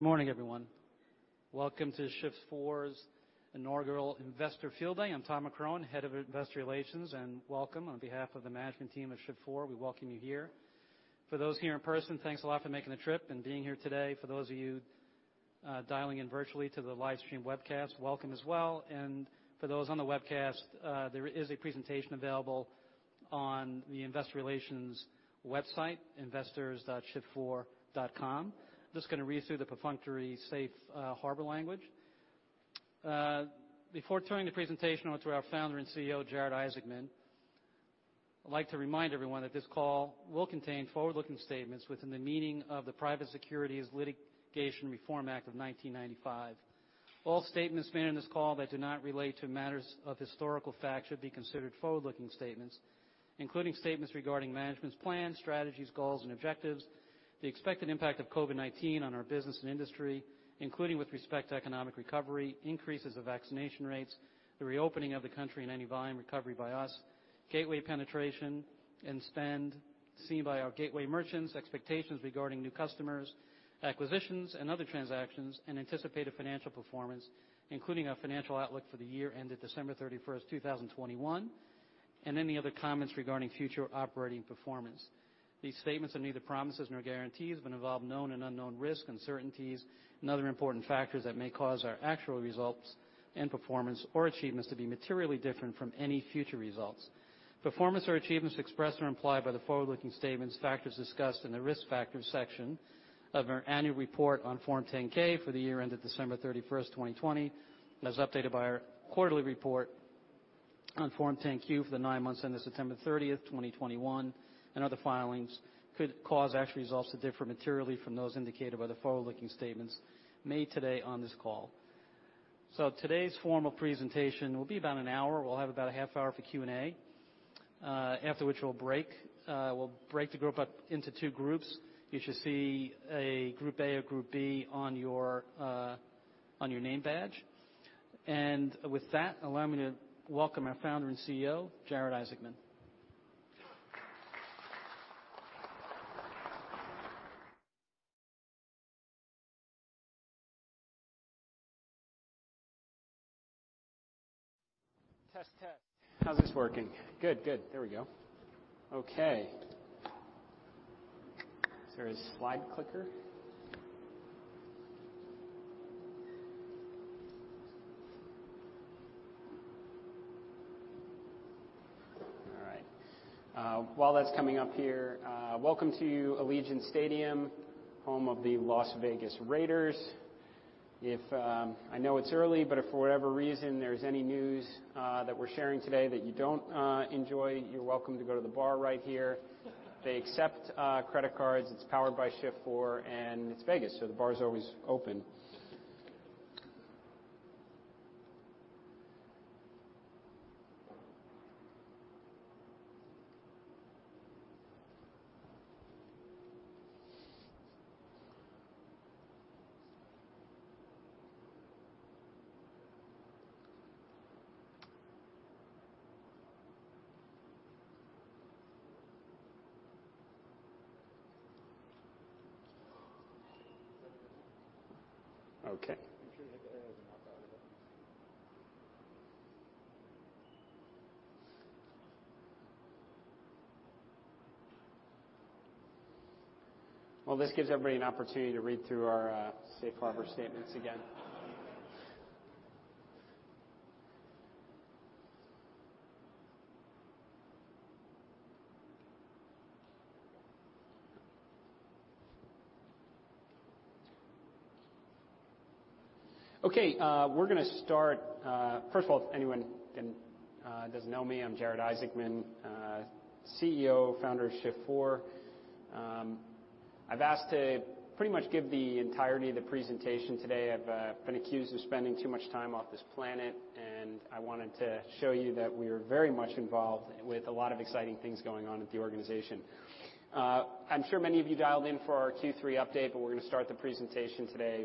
Morning everyone. Welcome to Shift4's Inaugural Investor Field Day. I'm Tom McCrohan, Head of Investor Relations, and welcome on behalf of the management team at Shift4. We welcome you here. For those here in person, thanks a lot for making the trip and being here today. For those of you dialing in virtually to the live stream webcast, welcome as well. For those on the webcast, there is a presentation available on the Investor Relations website, investors.shift4.com. Just gonna read through the perfunctory safe harbor language. Before turning the presentation over to our Founder and CEO, Jared Isaacman, I'd like to remind everyone that this call will contain forward-looking statements within the meaning of the Private Securities Litigation Reform Act of 1995. All statements made on this call that do not relate to matters of historical fact should be considered forward-looking statements, including statements regarding management's plans, strategies, goals, and objectives, the expected impact of COVID-19 on our business and industry, including with respect to economic recovery, increases of vaccination rates, the reopening of the country and any volume recovery by us, gateway penetration and spend seen by our gateway merchants, expectations regarding new customers, acquisitions and other transactions, and anticipated financial performance, including our financial outlook for the year ended December 31st, 2021, and any other comments regarding future operating performance. These statements are neither promises nor guarantees, but involve known and unknown risks, uncertainties, and other important factors that may cause our actual results and performance or achievements to be materially different from any future results. Performance or achievements expressed or implied by the forward-looking statements factors discussed in the Risk Factors section of our annual report on Form 10-K for the year ended December 31st, 2020, and as updated by our quarterly report on Form 10-Q for the nine months ended September 30th, 2021, and other filings could cause actual results to differ materially from those indicated by the forward-looking statements made today on this call. Today's formal presentation will be about an hour. We'll have about a half hour for Q&A, after which we'll break. We'll break the group up into two groups. You should see a Group A or Group B on your name badge. With that, allow me to welcome our founder and CEO, Jared Isaacman. Test, test. How's this working? Good, good. There we go. Okay. Is there a slide clicker? All right. While that's coming up here, welcome to Allegiant Stadium, home of the Las Vegas Raiders. I know it's early, but if for whatever reason there's any news that we're sharing today that you don't enjoy, you're welcome to go to the bar right here. They accept credit cards. It's powered by Shift4, and it's Vegas, so the bar's always open. Okay. Make sure you hit the headers and not the body buttons. Well, this gives everybody an opportunity to read through our safe harbor statements again. Okay, we're gonna start. First of all, if anyone doesn't know me, I'm Jared Isaacman, CEO, founder of Shift4. I've asked to pretty much give the entirety of the presentation today. I've been accused of spending too much time off this planet, and I wanted to show you that we are very much involved with a lot of exciting things going on at the organization. I'm sure many of you dialed in for our Q3 update, but we're gonna start the presentation today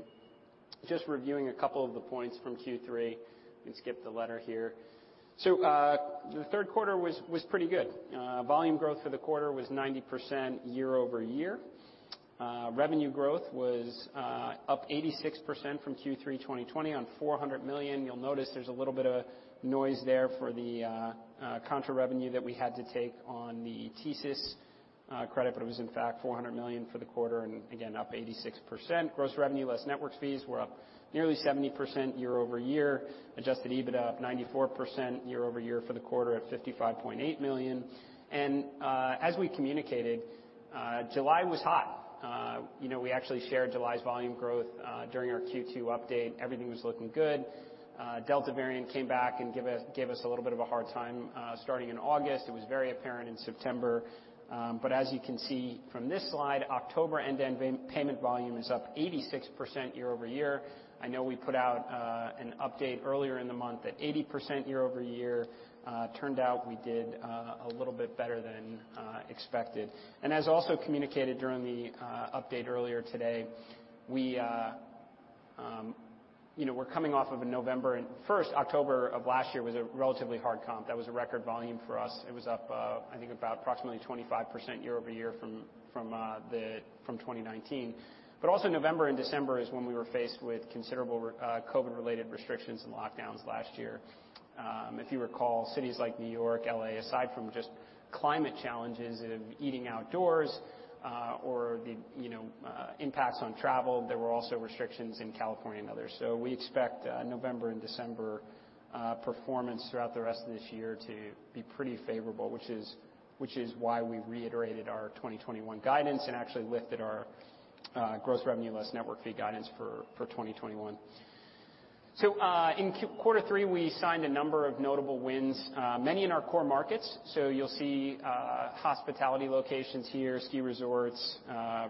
just reviewing a couple of the points from Q3. You can skip the letter here. The third quarter was pretty good. Volume growth for the quarter was 90% year-over-year. Revenue growth was up 86% from Q3 2020 on $400 million. You'll notice there's a little bit of noise there for the contra revenue that we had to take on the TSYS credit, but it was in fact $400 million for the quarter, and again, up 86%. Gross revenue less network fees were up nearly 70% year-over-year. Adjusted EBITDA up 94% year-over-year for the quarter at $55.8 million. As we communicated, July was hot. You know, we actually shared July's volume growth during our Q2 update. Everything was looking good. Delta variant came back and gave us a little bit of a hard time starting in August. It was very apparent in September. As you can see from this slide, October end-to-end payment volume is up 86% year-over-year. I know we put out an update earlier in the month at 80% year-over-year. Turned out we did a little bit better than expected. As also communicated during the update earlier today, you know, we're coming off of a November, and the first October of last year was a relatively hard comp. That was a record volume for us. It was up, I think about approximately 25% year-over-year from 2019. Also November and December is when we were faced with considerable COVID-related restrictions and lockdowns last year. If you recall, cities like New York, L.A., aside from just climate challenges of eating outdoors, or the you know impacts on travel, there were also restrictions in California and others. We expect November and December performance throughout the rest of this year to be pretty favorable, which is why we reiterated our 2021 guidance and actually lifted our gross revenue less network fee guidance for 2021. In quarter three, we signed a number of notable wins, many in our core markets. You'll see hospitality locations here, ski resorts,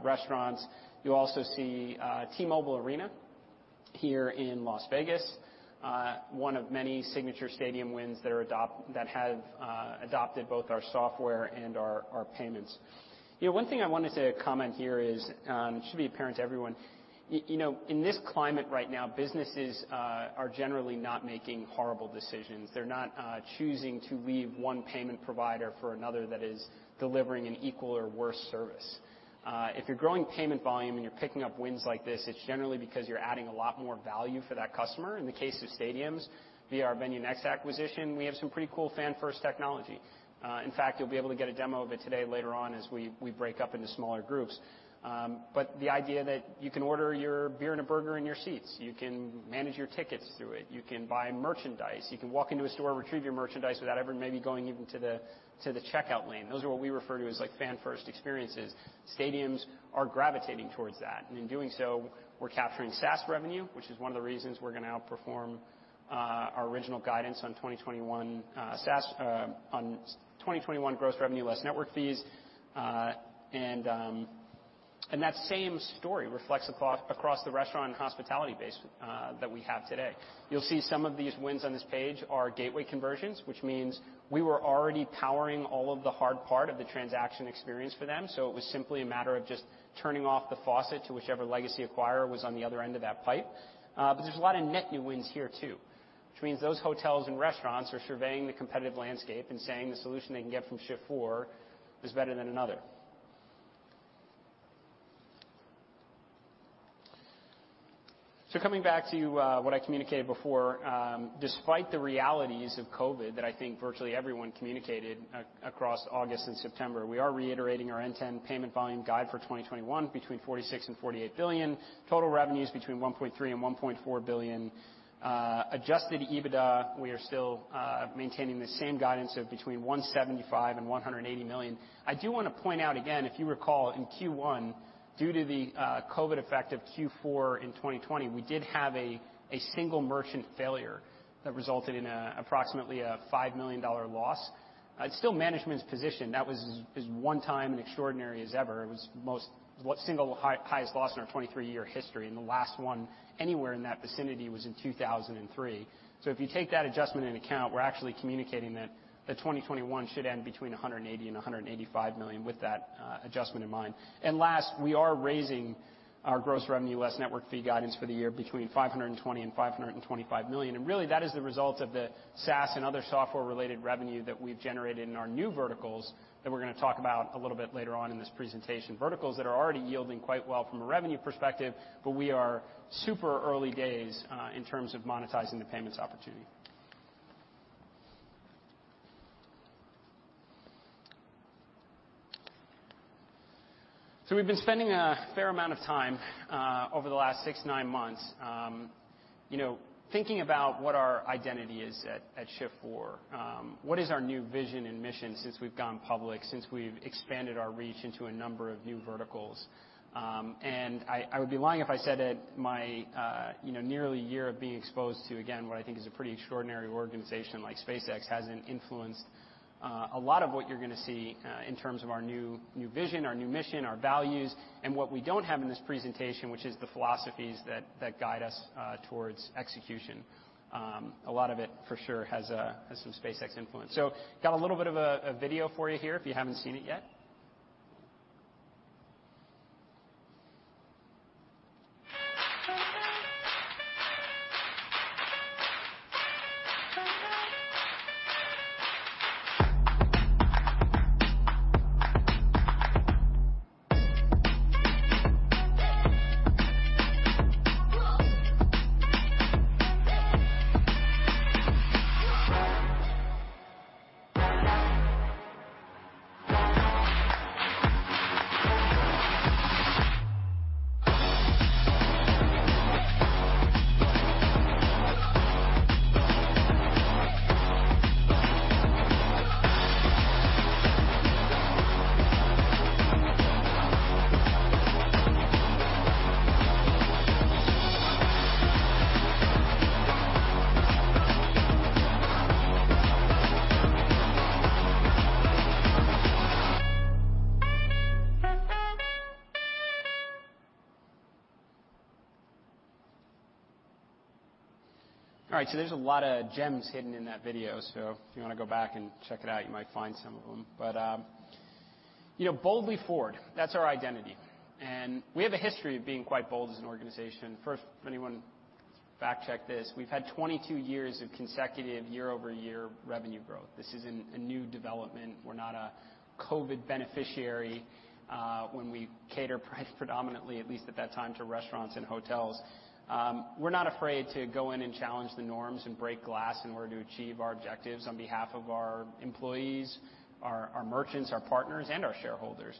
restaurants. You'll also see T-Mobile Arena here in Las Vegas, one of many signature stadium wins that have adopted both our software and our payments. You know, one thing I wanted to comment here is, it should be apparent to everyone, you know, in this climate right now, businesses are generally not making horrible decisions. They're not choosing to leave one payment provider for another that is delivering an equal or worse service. If you're growing payment volume and you're picking up wins like this, it's generally because you're adding a lot more value for that customer. In the case of stadiums, via our VenueNext acquisition, we have some pretty cool fan-first technology. In fact, you'll be able to get a demo of it today later on as we break up into smaller groups. The idea that you can order your beer and a burger in your seats, you can manage your tickets through it, you can buy merchandise, you can walk into a store and retrieve your merchandise without ever maybe going even to the checkout lane, those are what we refer to as, like, fan-first experiences. Stadiums are gravitating towards that, and in doing so, we're capturing SaaS revenue, which is one of the reasons we're gonna outperform our original guidance on SaaS 2021 gross revenue less network fees. That same story reflects across the restaurant and hospitality base that we have today. You'll see some of these wins on this page are gateway conversions, which means we were already powering all of the hard part of the transaction experience for them, so it was simply a matter of just turning off the faucet to whichever legacy acquirer was on the other end of that pipe. But there's a lot of net new wins here too, which means those hotels and restaurants are surveying the competitive landscape and saying the solution they can get from Shift4 is better than another. Coming back to what I communicated before, despite the realities of COVID that I think virtually everyone communicated across August and September, we are reiterating our end-to-end payment volume guide for 2021 between $46 billion and $48 billion, total revenues between $1.3 billion and $1.4 billion. Adjusted EBITDA, we are still maintaining the same guidance of between $175 million and $180 million. I do wanna point out again, if you recall, in Q1, due to the COVID effect of Q4 in 2020, we did have a single merchant failure that resulted in approximately $5 million loss. It's still management's position that was as one time and extraordinary as ever. It was the single highest loss in our 23-year history, and the last one anywhere in that vicinity was in 2003. If you take that adjustment into account, we're actually communicating that 2021 should end between $180 million and $185 million with that adjustment in mind. Last, we are raising our gross revenue less network fee guidance for the year between $520-$525 million. Really, that is the result of the SaaS and other software-related revenue that we've generated in our new verticals that we're gonna talk about a little bit later on in this presentation. Verticals that are already yielding quite well from a revenue perspective, but we are super early days in terms of monetizing the payments opportunity. We've been spending a fair amount of time over the last six to nine months, you know, thinking about what our identity is at Shift4. What is our new vision and mission since we've gone public, since we've expanded our reach into a number of new verticals? I would be lying if I said that my you know, nearly a year of being exposed to, again, what I think is a pretty extraordinary organization like SpaceX hasn't influenced a lot of what you're gonna see in terms of our new vision, our new mission, our values, and what we don't have in this presentation, which is the philosophies that guide us towards execution. A lot of it for sure has some SpaceX influence. Got a little bit of a video for you here if you haven't seen it yet. All right. There's a lot of gems hidden in that video. If you wanna go back and check it out, you might find some of them. You know, boldly forward, that's our identity. We have a history of being quite bold as an organization. First, if anyone fact-checks this, we've had 22 years of consecutive year-over-year revenue growth. This isn't a new development. We're not a COVID beneficiary, when we catered primarily, at least at that time, to restaurants and hotels. We're not afraid to go in and challenge the norms and break glass in order to achieve our objectives on behalf of our employees, our merchants, our partners, and our shareholders.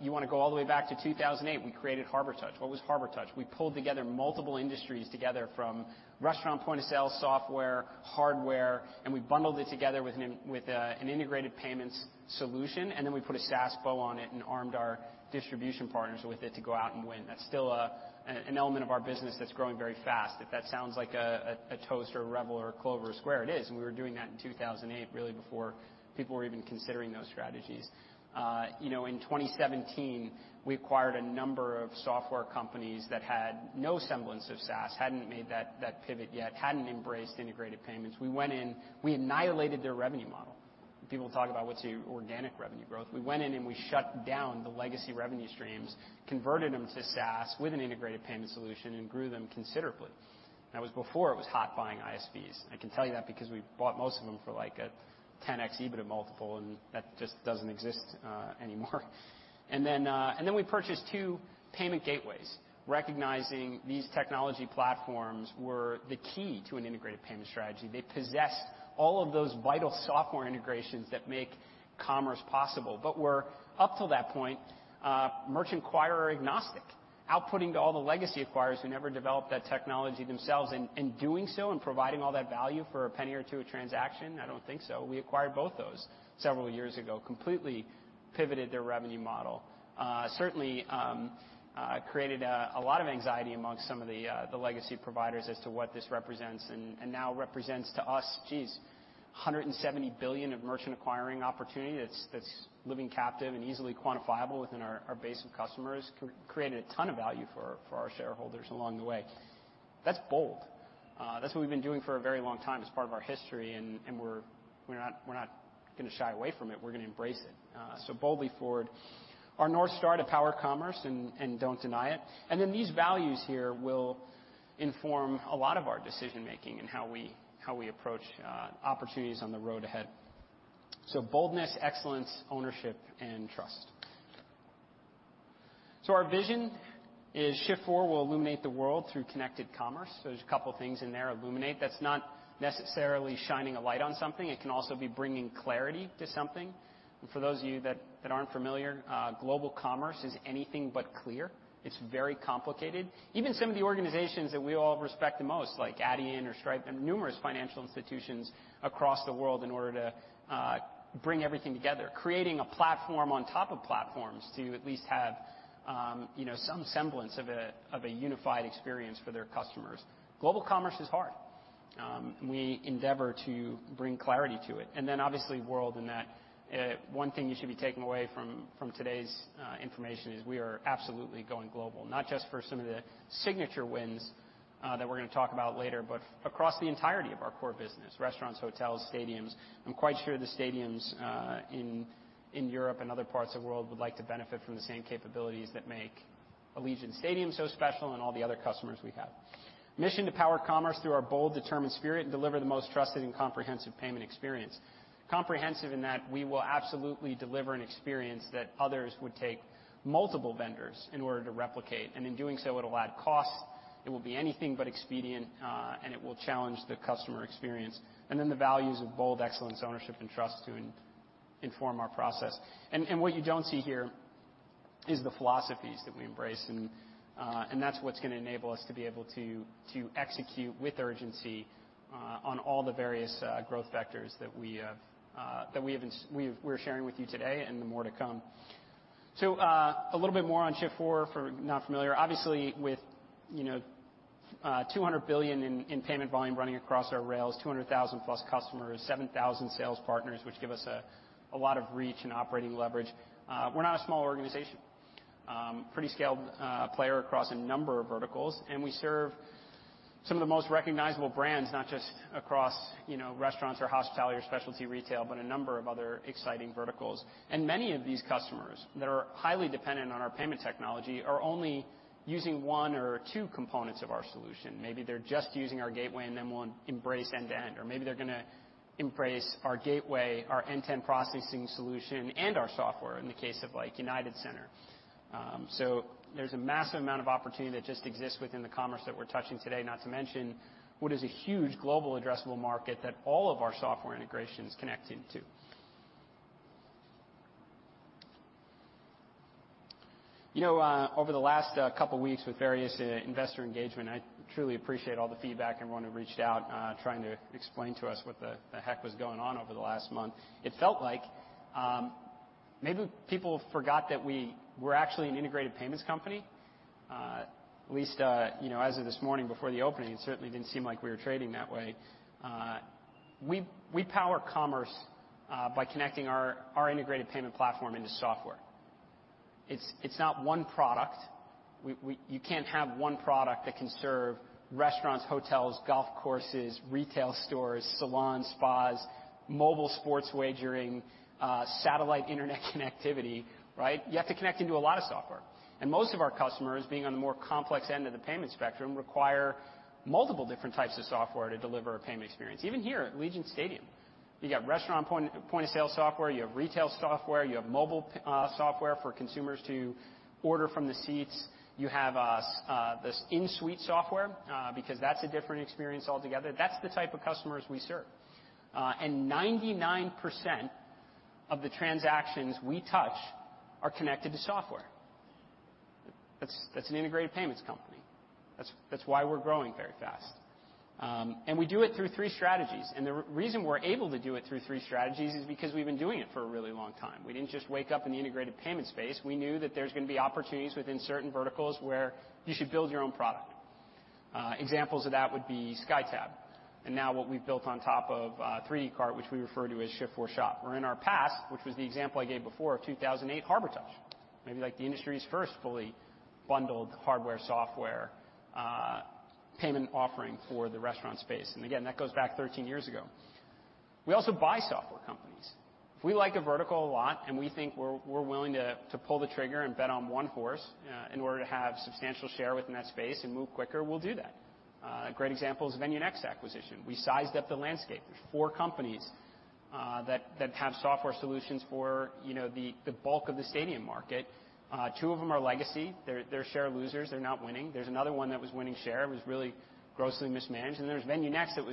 You wanna go all the way back to 2008, we created Harbortouch. What was Harbortouch? We pulled together multiple industries from restaurant point-of-sale software, hardware, and we bundled it together with an integrated payments solution, and then we put a SaaS bow on it and armed our distribution partners with it to go out and win. That's still an element of our business that's growing very fast. If that sounds like a Toast or a Revel or a Clover or a Square, it is, and we were doing that in 2008, really before people were even considering those strategies. You know, in 2017, we acquired a number of software companies that had no semblance of SaaS, hadn't made that pivot yet, hadn't embraced integrated payments. We went in, we annihilated their revenue model. People talk about what's your organic revenue growth. We went in and we shut down the legacy revenue streams, converted them to SaaS with an integrated payment solution, and grew them considerably. That was before it was hot buying ISVs. I can tell you that because we bought most of them for like a 10x EBITDA multiple, and that just doesn't exist anymore. We purchased two payment gateways, recognizing these technology platforms were the key to an integrated payment strategy. They possessed all of those vital software integrations that make commerce possible, but were up till that point merchant acquirer agnostic, outputting to all the legacy acquirers who never developed that technology themselves and doing so and providing all that value for a penny or two a transaction? I don't think so. We acquired both those several years ago, completely pivoted their revenue model. Certainly created a lot of anxiety amongst some of the legacy providers as to what this represents and now represents to us, geez, $170 billion of merchant acquiring opportunity that's living captive and easily quantifiable within our base of customers. Created a ton of value for our shareholders along the way. That's bold. That's what we've been doing for a very long time as part of our history, and we're not gonna shy away from it. We're gonna embrace it. So boldly forward. Our NorthStar to power commerce and don't deny it. Then these values here will inform a lot of our decision-making and how we approach opportunities on the road ahead. Boldness, excellence, ownership, and trust. Our vision is Shift4 will illuminate the world through connected commerce. There's a couple things in there. Illuminate, that's not necessarily shining a light on something. It can also be bringing clarity to something. For those of you that aren't familiar, global commerce is anything but clear. It's very complicated. Even some of the organizations that we all respect the most, like Adyen or Stripe and numerous financial institutions across the world, in order to bring everything together, creating a platform on top of platforms to at least have, you know, some semblance of a unified experience for their customers. Global commerce is hard. We endeavor to bring clarity to it. Obviously worldwide. In that one thing you should be taking away from today's information is we are absolutely going global, not just for some of the signature wins that we're gonna talk about later, but across the entirety of our core business, restaurants, hotels, stadiums. I'm quite sure the stadiums in Europe and other parts of the world would like to benefit from the same capabilities that make Allegiant Stadium so special and all the other customers we have. Mission to power commerce through our bold, determined spirit and deliver the most trusted and comprehensive payment experience. Comprehensive in that we will absolutely deliver an experience that others would take multiple vendors in order to replicate, and in doing so, it'll add cost, it will be anything but expedient, and it will challenge the customer experience. Then the values of bold excellence, ownership, and trust to inform our process. What you don't see here is the philosophies that we embrace. that's what's gonna enable us to execute with urgency on all the various growth vectors that we have, we're sharing with you today and the more to come. A little bit more on Shift4 for those not familiar. Obviously, with you know $200 billion in payment volume running across our rails, 200,000+ customers, 7,000 sales partners, which give us a lot of reach and operating leverage, we're not a small organization. Pretty scaled player across a number of verticals, and we serve some of the most recognizable brands, not just across you know restaurants or hospitality or specialty retail, but a number of other exciting verticals. Many of these customers that are highly dependent on our payment technology are only using one or two components of our solution. Maybe they're just using our gateway and then we'll embrace end-to-end, or maybe they're gonna embrace our gateway, our end-to-end processing solution, and our software in the case of, like, United Center. There's a massive amount of opportunity that just exists within the commerce that we're touching today, not to mention what is a huge global addressable market that all of our software integrations connect into. You know, over the last couple weeks with various investor engagement, I truly appreciate all the feedback everyone who reached out trying to explain to us what the heck was going on over the last month. It felt like maybe people forgot that we were actually an integrated payments company. At least, you know, as of this morning before the opening, it certainly didn't seem like we were trading that way. We power commerce by connecting our integrated payment platform into software. It's not one product. You can't have one product that can serve restaurants, hotels, golf courses, retail stores, salons, spas, mobile sports wagering, satellite internet connectivity, right? You have to connect into a lot of software. Most of our customers, being on the more complex end of the payment spectrum, require multiple different types of software to deliver a payment experience. Even here at Allegiant Stadium, you got restaurant point-of-sale software, you have retail software, you have mobile software for consumers to order from the seats. You have this in-suite software because that's a different experience altogether. That's the type of customers we serve. Ninety-nine percent of the transactions we touch are connected to software. That's an integrated payments company. That's why we're growing very fast. We do it through three strategies. The reason we're able to do it through three strategies is because we've been doing it for a really long time. We didn't just wake up in the integrated payment space. We knew that there's gonna be opportunities within certain verticals where you should build your own product. Examples of that would be SkyTab, and now what we've built on top of 3dcart, which we refer to as Shift4Shop. Or in our past, which was the example I gave before of 2008, Harbortouch, maybe like the industry's first fully bundled hardware/software payment offering for the restaurant space. That goes back 13 years ago. We also buy software companies. If we like a vertical a lot, and we think we're willing to pull the trigger and bet on one horse in order to have substantial share within that space and move quicker, we'll do that. A great example is VenueNext acquisition. We sized up the landscape. There's four companies that have software solutions for, you know, the bulk of the stadium market. Two of them are legacy. They're share losers. They're not winning. There's another one that was winning share. It was really grossly mismanaged. There's VenueNext that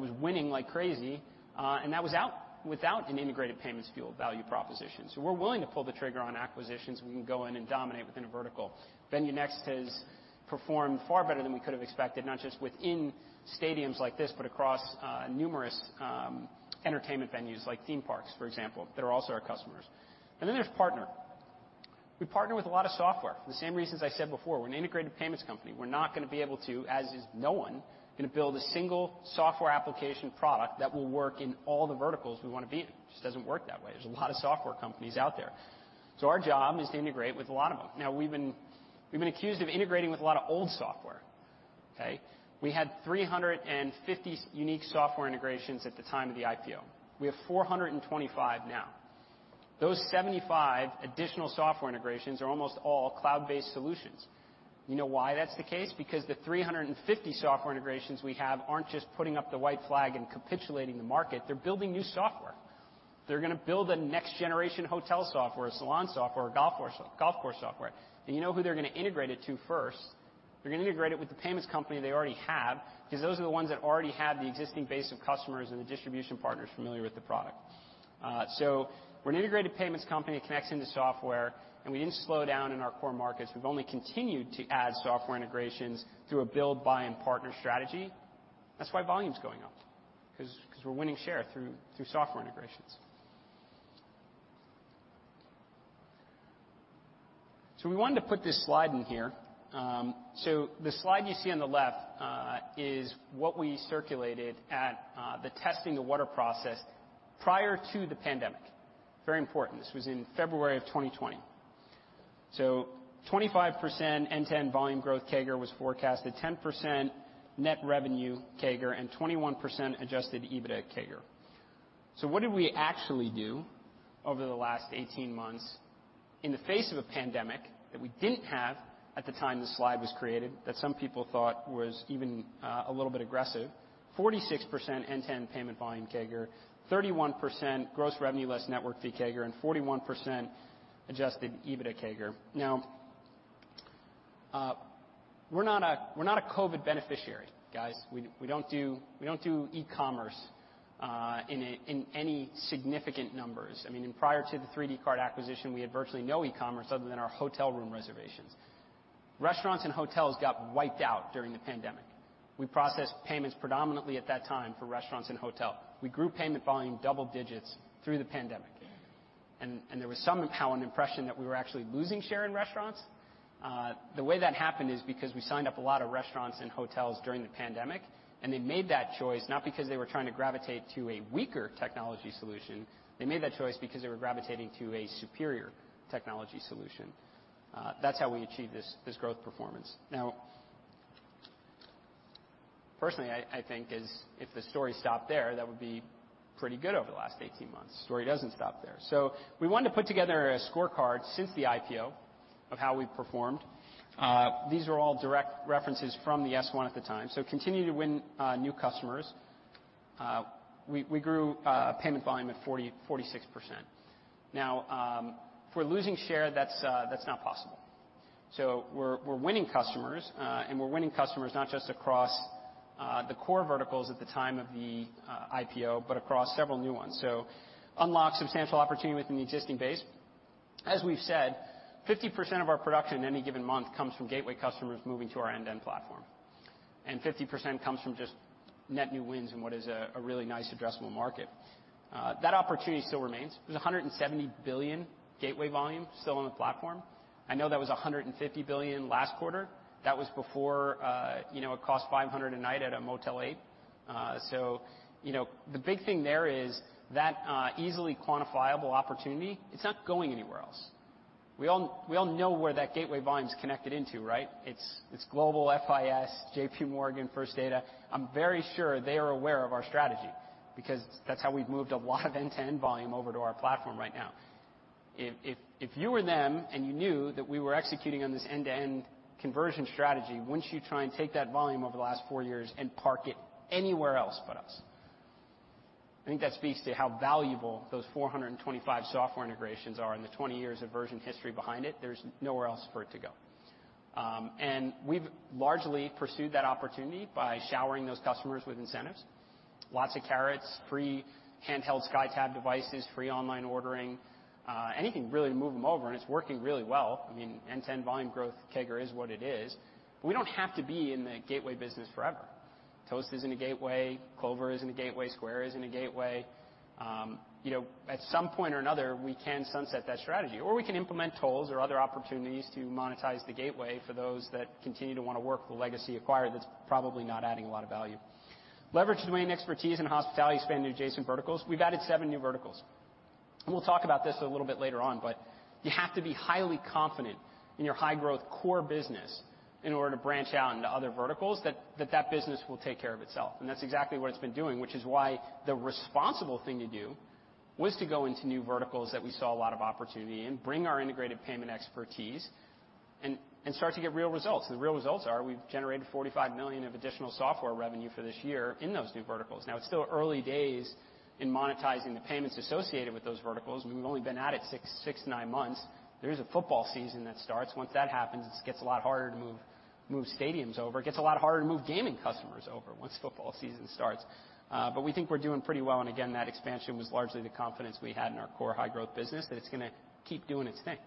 was winning like crazy, and that was out without an integrated payments-fueled value proposition. We're willing to pull the trigger on acquisitions when we can go in and dominate within a vertical. VenueNext has performed far better than we could have expected, not just within stadiums like this, but across numerous entertainment venues like theme parks, for example, that are also our customers. Then there's partnerships. We partner with a lot of software. The same reasons I said before, we're an integrated payments company. We're not gonna be able to, as no one is, gonna build a single software application product that will work in all the verticals we wanna be in. Just doesn't work that way. There's a lot of software companies out there. Our job is to integrate with a lot of them. Now, we've been accused of integrating with a lot of old software, okay? We had 350 unique software integrations at the time of the IPO. We have 425 now. Those 75 additional software integrations are almost all cloud-based solutions. You know why that's the case? Because the 350 software integrations we have aren't just putting up the white flag and capitulating the market, they're building new software. They're gonna build a next generation hotel software, a salon software, a golf course software. You know who they're gonna integrate it to first? They're gonna integrate it with the payments company they already have, because those are the ones that already have the existing base of customers and the distribution partners familiar with the product. So we're an integrated payments company that connects into software, and we didn't slow down in our core markets. We've only continued to add software integrations through a build, buy, and partner strategy. That's why volume's going up, 'cause we're winning share through software integrations. We wanted to put this slide in here. The slide you see on the left is what we circulated at the testing the waters process prior to the pandemic. Very important. This was in February 2020. 25% end-to-end volume growth CAGR was forecasted, 10% net revenue CAGR, and 21% adjusted EBITDA CAGR. What did we actually do over the last 18 months in the face of a pandemic that we didn't have at the time this slide was created, that some people thought was even a little bit aggressive? 46% end-to-end payment volume CAGR, 31% gross revenue less network fee CAGR, and 41% adjusted EBITDA CAGR. Now, we're not a COVID beneficiary, guys. We don't do e-commerce in any significant numbers. I mean, prior to the 3dcart acquisition, we had virtually no e-commerce other than our hotel room reservations. Restaurants and hotels got wiped out during the pandemic. We processed payments predominantly at that time for restaurants and hotel. We grew payment volume double digits through the pandemic. There was somehow an impression that we were actually losing share in restaurants. The way that happened is because we signed up a lot of restaurants and hotels during the pandemic, and they made that choice, not because they were trying to gravitate to a weaker technology solution. They made that choice because they were gravitating to a superior technology solution. That's how we achieve this growth performance. Now, personally, I think if the story stopped there, that would be pretty good over the last 18 months. The story doesn't stop there. We wanted to put together a scorecard since the IPO of how we've performed. These are all direct references from the S-1 at the time. Continue to win new customers. We grew payment volume at 46%. Now, if we're losing share, that's not possible. We're winning customers, and we're winning customers not just across the core verticals at the time of the IPO, but across several new ones. Unlock substantial opportunity within the existing base. As we've said, 50% of our production in any given month comes from gateway customers moving to our end-to-end platform, and 50% comes from just net new wins in what is a really nice addressable market. That opportunity still remains. There's $170 billion gateway volume still on the platform. I know that was $150 billion last quarter. That was before, you know, it cost $500 a night at a Motel 6. You know, the big thing there is that easily quantifiable opportunity, it's not going anywhere else. We all know where that gateway volume's connected into, right? It's Global FIS, JPMorgan, First Data. I'm very sure they are aware of our strategy because that's how we've moved a lot of end-to-end volume over to our platform right now. If you were them, and you knew that we were executing on this end-to-end conversion strategy, wouldn't you try and take that volume over the last four years and park it anywhere else but us? I think that speaks to how valuable those 425 software integrations are and the 20 years of version history behind it. There's nowhere else for it to go. We've largely pursued that opportunity by showering those customers with incentives, lots of carrots, free handheld SkyTab devices, free online ordering, anything really to move them over, and it's working really well. I mean, end-to-end volume growth CAGR is what it is. We don't have to be in the gateway business forever. Toast isn't a gateway. Clover isn't a gateway. Square isn't a gateway. You know, at some point or another, we can sunset that strategy, or we can implement tolls or other opportunities to monetize the gateway for those that continue to wanna work the legacy acquired that's probably not adding a lot of value. Leverage domain expertise and hospitality spend adjacent verticals. We've added seven new verticals, and we'll talk about this a little bit later on, but you have to be highly confident in your high-growth core business in order to branch out into other verticals that that business will take care of itself. That's exactly what it's been doing, which is why the responsible thing to do was to go into new verticals that we saw a lot of opportunity and bring our integrated payment expertise and start to get real results. The real results are we've generated $45 million of additional software revenue for this year in those new verticals. Now, it's still early days in monetizing the payments associated with those verticals. We've only been at it six to nine months. There is a football season that starts. Once that happens, it gets a lot harder to move stadiums over. It gets a lot harder to move gaming customers over once football season starts. We think we're doing pretty well, and again, that expansion was largely the confidence we had in our core high-growth business, that it's gonna keep doing its thing.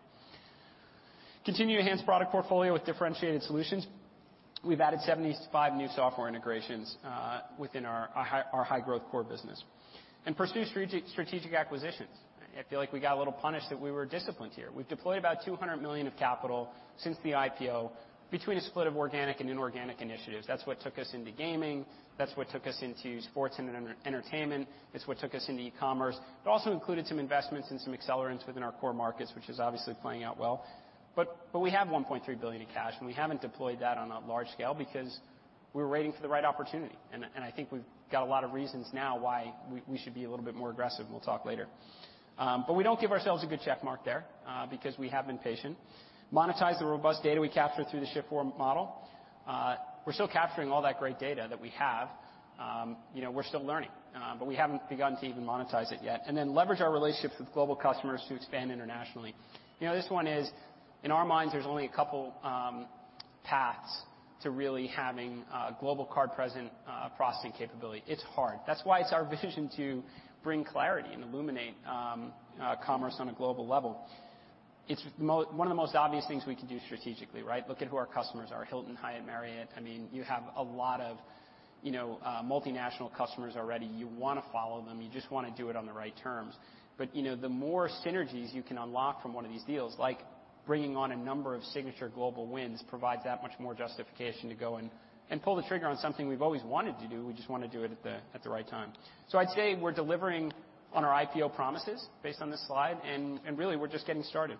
Continue to enhance product portfolio with differentiated solutions. We've added 75 new software integrations within our high-growth core business. Pursue strategic acquisitions. I feel like we got a little punished that we were disciplined here. We've deployed about $200 million of capital since the IPO between a split of organic and inorganic initiatives. That's what took us into gaming. That's what took us into sports and entertainment. It's what took us into e-commerce. It also included some investments and some accelerants within our core markets, which is obviously playing out well. We have $1.3 billion in cash, and we haven't deployed that on a large scale because we're waiting for the right opportunity, and I think we've got a lot of reasons now why we should be a little bit more aggressive, and we'll talk later. We don't give ourselves a good check mark there, because we have been patient. Monetize the robust data we capture through the Shift4 model. We're still capturing all that great data that we have. You know, we're still learning, but we haven't begun to even monetize it yet. Leverage our relationships with global customers to expand internationally. You know, this one is, in our minds, there's only a couple paths to really having a global card present processing capability. It's hard. That's why it's our vision to bring clarity and illuminate commerce on a global level. It's one of the most obvious things we can do strategically, right? Look at who our customers are, Hilton, Hyatt, Marriott. I mean, you have a lot of, you know, multinational customers already. You wanna follow them. You just wanna do it on the right terms. You know, the more synergies you can unlock from one of these deals, like bringing on a number of signature global wins, provides that much more justification to go and pull the trigger on something we've always wanted to do, we just wanna do it at the right time. I'd say we're delivering on our IPO promises based on this slide, and really, we're just getting started.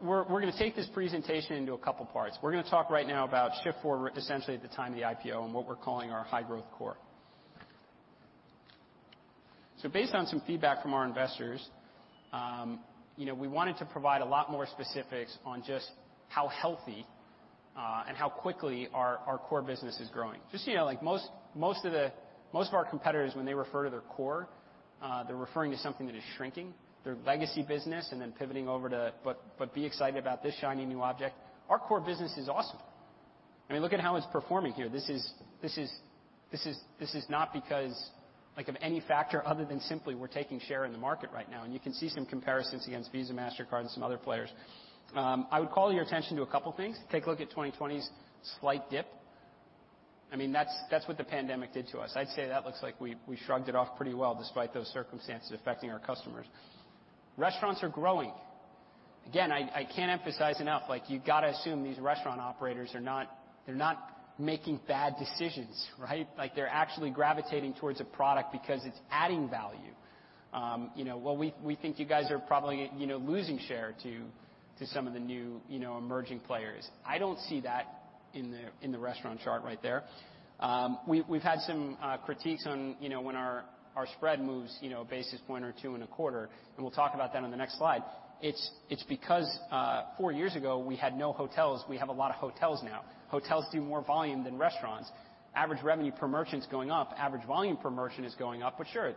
We're gonna take this presentation into a couple parts. We're gonna talk right now about Shift4, essentially at the time of the IPO and what we're calling our high-growth core. Based on some feedback from our investors, you know, we wanted to provide a lot more specifics on just how healthy and how quickly our core business is growing. Just so you know, like, most of our competitors, when they refer to their core, they're referring to something that is shrinking, their legacy business, and then pivoting over to but be excited about this shiny new object. Our core business is awesome. I mean, look at how it's performing here. This is not because, like, of any factor other than simply we're taking share in the market right now, and you can see some comparisons against Visa, Mastercard, and some other players. I would call your attention to a couple things. Take a look at 2020's slight dip. I mean, that's what the pandemic did to us. I'd say that looks like we shrugged it off pretty well despite those circumstances affecting our customers. Restaurants are growing. Again, I can't emphasize enough, like, you've got to assume these restaurant operators are not making bad decisions, right? Like, they're actually gravitating towards a product because it's adding value. You know, well, we think you guys are probably, you know, losing share to some of the new, you know, emerging players. I don't see that in the restaurant chart right there. We've had some critiques on, you know, when our spread moves, you know, a basis point or two and a quarter, and we'll talk about that on the next slide. It's because four years ago, we had no hotels. We have a lot of hotels now. Hotels do more volume than restaurants. Average revenue per merchant's going up. Average volume per merchant is going up. Sure,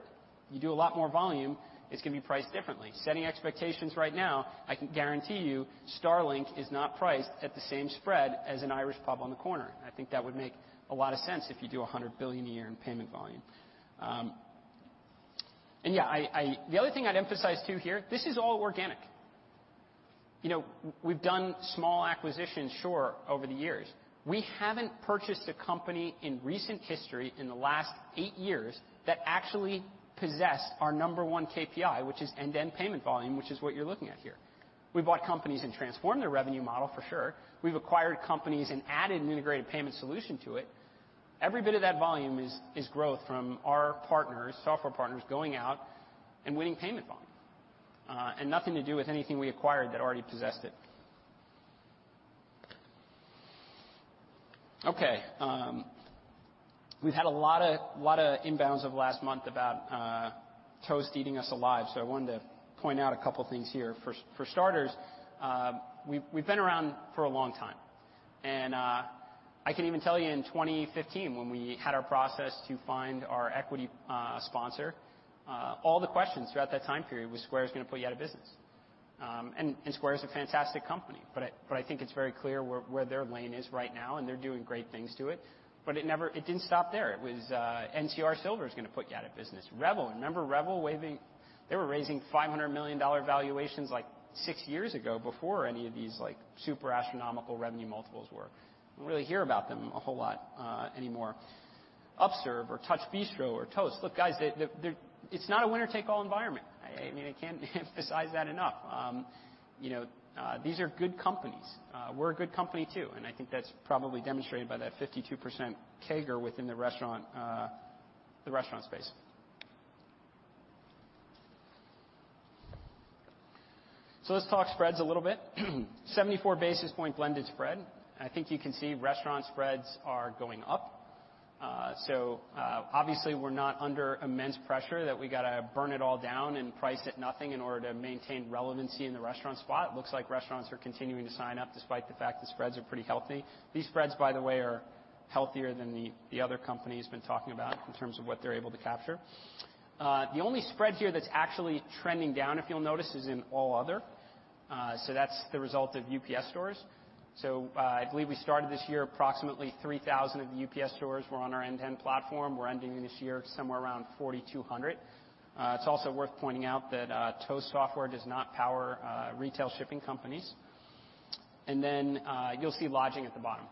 you do a lot more volume, it's gonna be priced differently. Setting expectations right now, I can guarantee you Starlink is not priced at the same spread as an Irish pub on the corner. I think that would make a lot of sense if you do $100 billion a year in payment volume. The other thing I'd emphasize too here, this is all organic. You know, we've done small acquisitions, sure, over the years. We haven't purchased a company in recent history in the last eight years that actually possess our number one KPI, which is end-to-end payment volume, which is what you're looking at here. We bought companies and transformed their revenue model, for sure. We've acquired companies and added an integrated payment solution to it. Every bit of that volume is growth from our partners, software partners going out and winning payment volume, and nothing to do with anything we acquired that already possessed it. Okay. We've had a lot of inbounds over the last month about Toast eating us alive, so I wanted to point out a couple things here. For starters, we've been around for a long time, and I can even tell you in 2015 when we had our process to find our equity sponsor, all the questions throughout that time period was Square is gonna put you out of business. Square is a fantastic company, but I think it's very clear where their lane is right now, and they're doing great things to it. It didn't stop there. It was NCR Silver is gonna put you out of business. Revel. Remember Revel waving. They were raising $500 million valuations like six years ago before any of these like super astronomical revenue multiples were. You don't really hear about them a whole lot anymore. Upserve or TouchBistro or Toast. Look, guys, the. It's not a winner-take-all environment. I mean, I can't emphasize that enough. You know, these are good companies. We're a good company too, and I think that's probably demonstrated by that 52% CAGR within the restaurant space. Let's talk spreads a little bit. 74 basis point blended spread. I think you can see restaurant spreads are going up. Obviously we're not under immense pressure that we gotta burn it all down and price it nothing in order to maintain relevancy in the restaurant spot. Looks like restaurants are continuing to sign up despite the fact the spreads are pretty healthy. These spreads, by the way, are healthier than the other companies been talking about in terms of what they're able to capture. The only spread here that's actually trending down, if you'll notice, is in all other. That's the result of UPS Stores. I believe we started this year approximately 3,000 of the UPS Stores were on our end-to-end platform. We're ending this year somewhere around 4,200. It's also worth pointing out that Toast software does not power retail shipping companies. You'll see lodging at the bottom.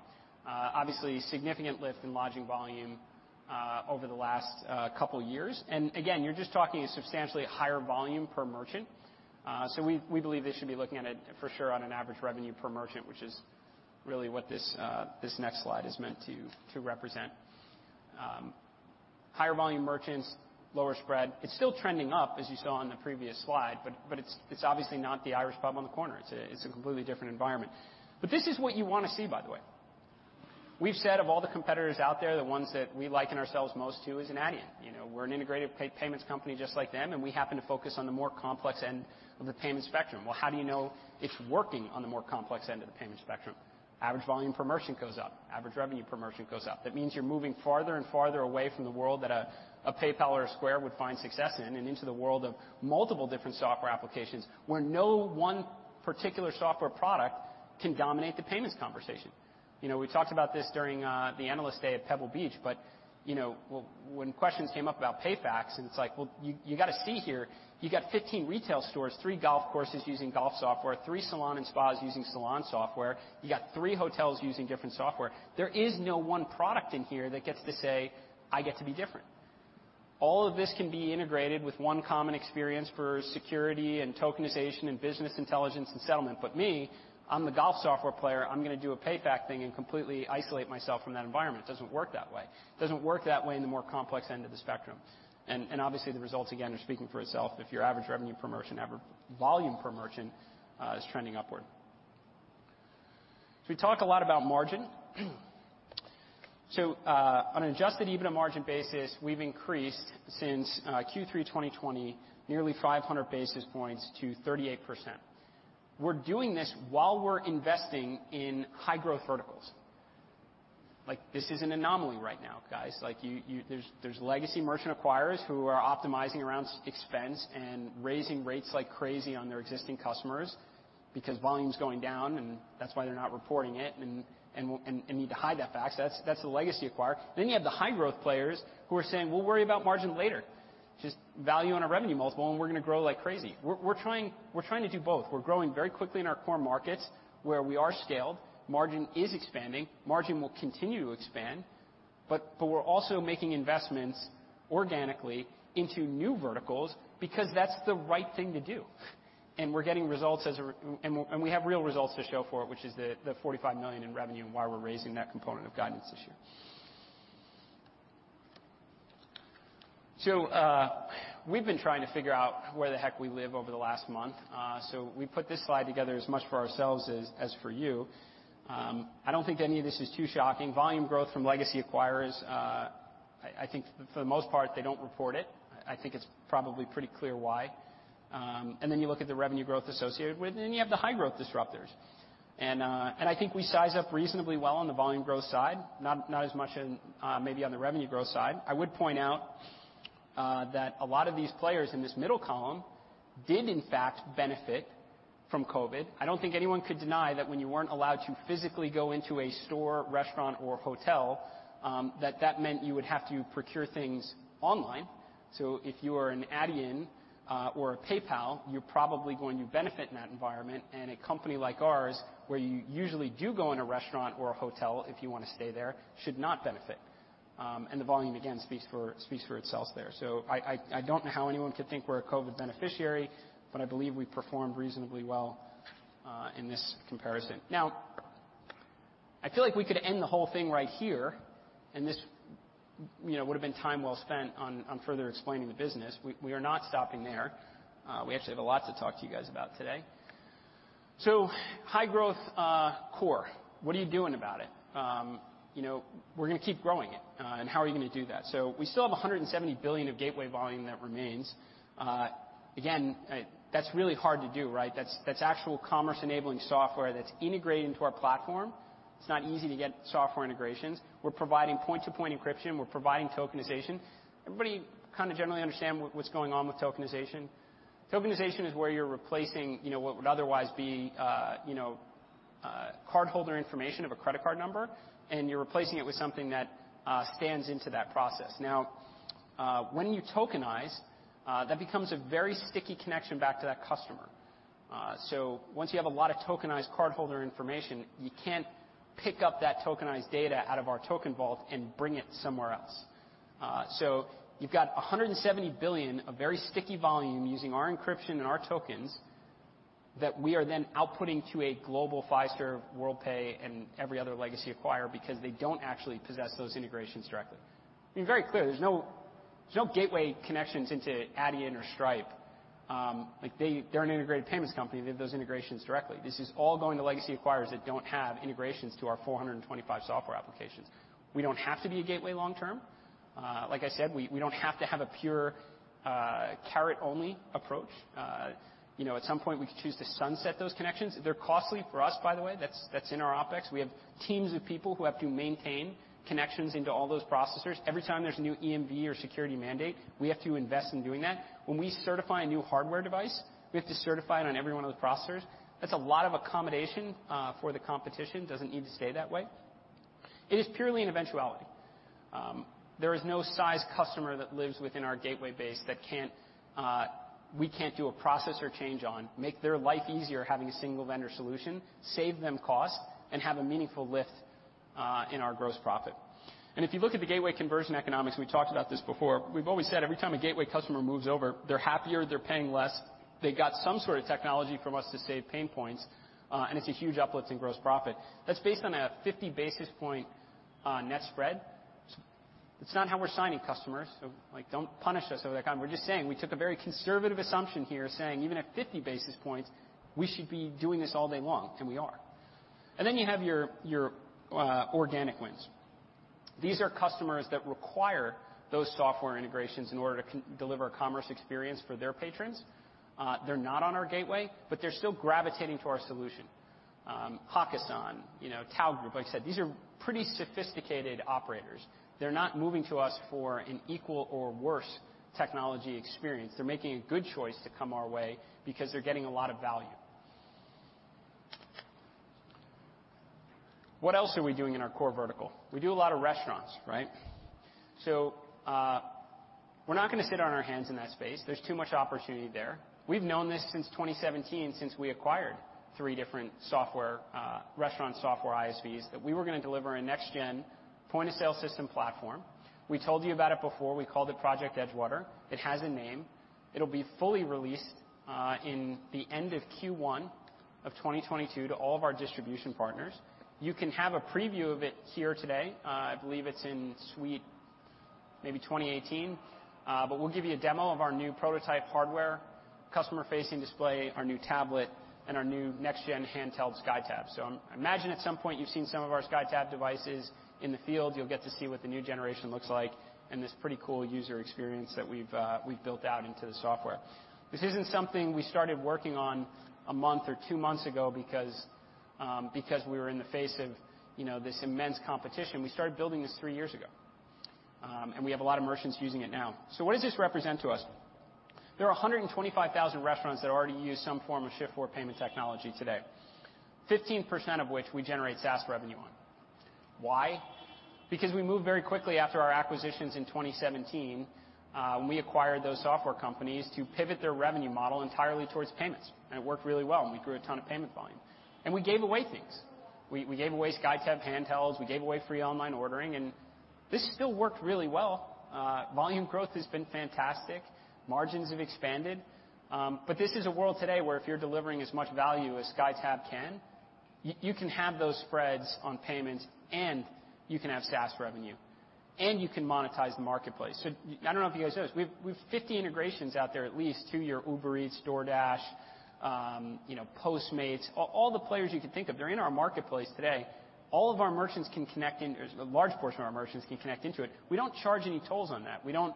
Obviously, significant lift in lodging volume over the last couple years. Again, you're just talking a substantially higher volume per merchant. We believe they should be looking at it for sure on an average revenue per merchant, which is really what this next slide is meant to represent. Higher volume merchants, lower spread. It's still trending up, as you saw on the previous slide, but it's obviously not the Irish pub on the corner. It's a completely different environment. This is what you wanna see, by the way. We've said of all the competitors out there, the ones that we liken ourselves most to is Adyen. You know, we're an integrated payments company just like them, and we happen to focus on the more complex end of the payment spectrum. Well, how do you know it's working on the more complex end of the payment spectrum? Average volume per merchant goes up. Average revenue per merchant goes up. That means you're moving farther and farther away from the world that a PayPal or a Square would find success in and into the world of multiple different software applications where no one particular software product can dominate the payments conversation. You know, we talked about this during the Analyst Day at Pebble Beach, but you know, well, when questions came up about PayFacs, and it's like, well, you gotta see here, you got 15 retail stores, three golf courses using golf software, three salons and spas using salon software. You got three hotels using different software. There is no one product in here that gets to say, "I get to be different." All of this can be integrated with one common experience for security and tokenization and business intelligence and settlement. Me, I'm the golf software player. I'm gonna do a PayFac thing and completely isolate myself from that environment. It doesn't work that way. It doesn't work that way in the more complex end of the spectrum. Obviously, the results again are speaking for itself if your average revenue per merchant, average volume per merchant, is trending upward. We talk a lot about margin. On an adjusted EBITDA margin basis, we've increased since Q3 2020, nearly 500 basis points to 38%. We're doing this while we're investing in high growth verticals. Like, this is an anomaly right now, guys. Like you there's legacy merchant acquirers who are optimizing around expense and raising rates like crazy on their existing customers because volume's going down, and that's why they're not reporting it and need to hide that fact. That's the legacy acquirer. You have the high growth players who are saying, "We'll worry about margin later. Just value on our revenue multiple, and we're gonna grow like crazy." We're trying to do both. We're growing very quickly in our core markets where we are scaled, margin is expanding, margin will continue to expand, but we're also making investments organically into new verticals because that's the right thing to do. We're getting results and we have real results to show for it, which is the $45 million in revenue and why we're raising that component of guidance this year. We've been trying to figure out where the heck we live over the last month, so we put this slide together as much for ourselves as for you. I don't think any of this is too shocking. Volume growth from legacy acquirers. I think for the most part, they don't report it. I think it's probably pretty clear why. You look at the revenue growth associated with it. You have the high growth disruptors. I think we size up reasonably well on the volume growth side, not as much maybe on the revenue growth side. I would point out that a lot of these players in this middle column did in fact benefit from COVID. I don't think anyone could deny that when you weren't allowed to physically go into a store, restaurant, or hotel, that meant you would have to procure things online. If you are an Adyen or a PayPal, you're probably going to benefit in that environment, and a company like ours, where you usually do go in a restaurant or a hotel if you want to stay there, should not benefit. The volume again speaks for itself there. I don't know how anyone could think we're a COVID beneficiary, but I believe we performed reasonably well in this comparison. Now I feel like we could end the whole thing right here, and this you know would have been time well spent on further explaining the business. We are not stopping there. We actually have a lot to talk to you guys about today. High growth core, what are you doing about it? You know, we're gonna keep growing it. How are you gonna do that? We still have $170 billion of gateway volume that remains. Again, that's really hard to do, right? That's actual commerce enabling software that's integrated into our platform. It's not easy to get software integrations. We're providing point-to-point encryption. We're providing tokenization. Everybody kinda generally understand what's going on with tokenization? Tokenization is where you're replacing, you know, what would otherwise be, you know, cardholder information of a credit card number, and you're replacing it with something that stands into that process. Now, when you tokenize, that becomes a very sticky connection back to that customer. Once you have a lot of tokenized cardholder information, you can't pick up that tokenized data out of our token vault and bring it somewhere else. You've got $170 billion of very sticky volume using our encryption and our tokens that we are then outputting to a global Fiserv, Worldpay and every other legacy acquirer because they don't actually possess those integrations directly. To be very clear, there's no gateway connections into Adyen or Stripe. Like they. They're an integrated payments company. They have those integrations directly. This is all going to legacy acquirers that don't have integrations to our 425 software applications. We don't have to be a gateway long term. Like I said, we don't have to have a pure carrot only approach. You know, at some point we could choose to sunset those connections. They're costly for us, by the way. That's in our OpEx. We have teams of people who have to maintain connections into all those processors. Every time there's a new EMV or security mandate, we have to invest in doing that. When we certify a new hardware device, we have to certify it on every one of those processors. That's a lot of accommodation for the competition. Doesn't need to stay that way. It is purely an eventuality. There is no size customer that lives within our gateway base that we can't do a processor change on, make their life easier having a single vendor solution, save them cost, and have a meaningful lift in our gross profit. If you look at the gateway conversion economics, we talked about this before, we've always said every time a gateway customer moves over, they're happier, they're paying less, they got some sort of technology from us to save pain points, and it's a huge uplift in gross profit. That's based on a 50 basis point net spread. It's not how we're signing customers, so, like, don't punish us over that. We're just saying we took a very conservative assumption here saying even at 50 basis points, we should be doing this all day long, and we are. Then you have your organic wins. These are customers that require those software integrations in order to deliver a commerce experience for their patrons. They're not on our gateway, but they're still gravitating to our solution. Hakkasan, you know, TAO Group. Like I said, these are pretty sophisticated operators. They're not moving to us for an equal or worse technology experience. They're making a good choice to come our way because they're getting a lot of value. What else are we doing in our core vertical? We do a lot of restaurants, right? We're not gonna sit on our hands in that space. There's too much opportunity there. We've known this since 2017, since we acquired three different software, restaurant software ISVs, that we were gonna deliver a next gen point-of-sale system platform. We told you about it before. We called it Project Edgewater. It has a name. It'll be fully released in the end of Q1 of 2022 to all of our distribution partners. You can have a preview of it here today. I believe it's in suite maybe 2018. We'll give you a demo of our new prototype hardware, customer-facing display, our new tablet, and our new next gen handheld SkyTab. I imagine at some point you've seen some of our SkyTab devices in the field. You'll get to see what the new generation looks like and this pretty cool user experience that we've built out into the software. This isn't something we started working on a month or two months ago because we were in the face of, you know, this immense competition. We started building this three years ago. We have a lot of merchants using it now. What does this represent to us? There are 125,000 restaurants that already use some form of Shift4 payment technology today. 15% of which we generate SaaS revenue on. Why? Because we moved very quickly after our acquisitions in 2017, when we acquired those software companies, to pivot their revenue model entirely towards payments. It worked really well, and we grew a ton of payment volume. We gave away things. We gave away SkyTab handhelds. We gave away free online ordering, and this still worked really well. Volume growth has been fantastic. Margins have expanded. This is a world today where if you're delivering as much value as SkyTab can, you can have those spreads on payments, and you can have SaaS revenue, and you can monetize the marketplace. I don't know if you guys know this. We've 50 integrations out there at least to your Uber Eats, DoorDash, you know, Postmates. All the players you can think of, they're in our marketplace today. All of our merchants can connect in. A large portion of our merchants can connect into it. We don't charge any tolls on that. We don't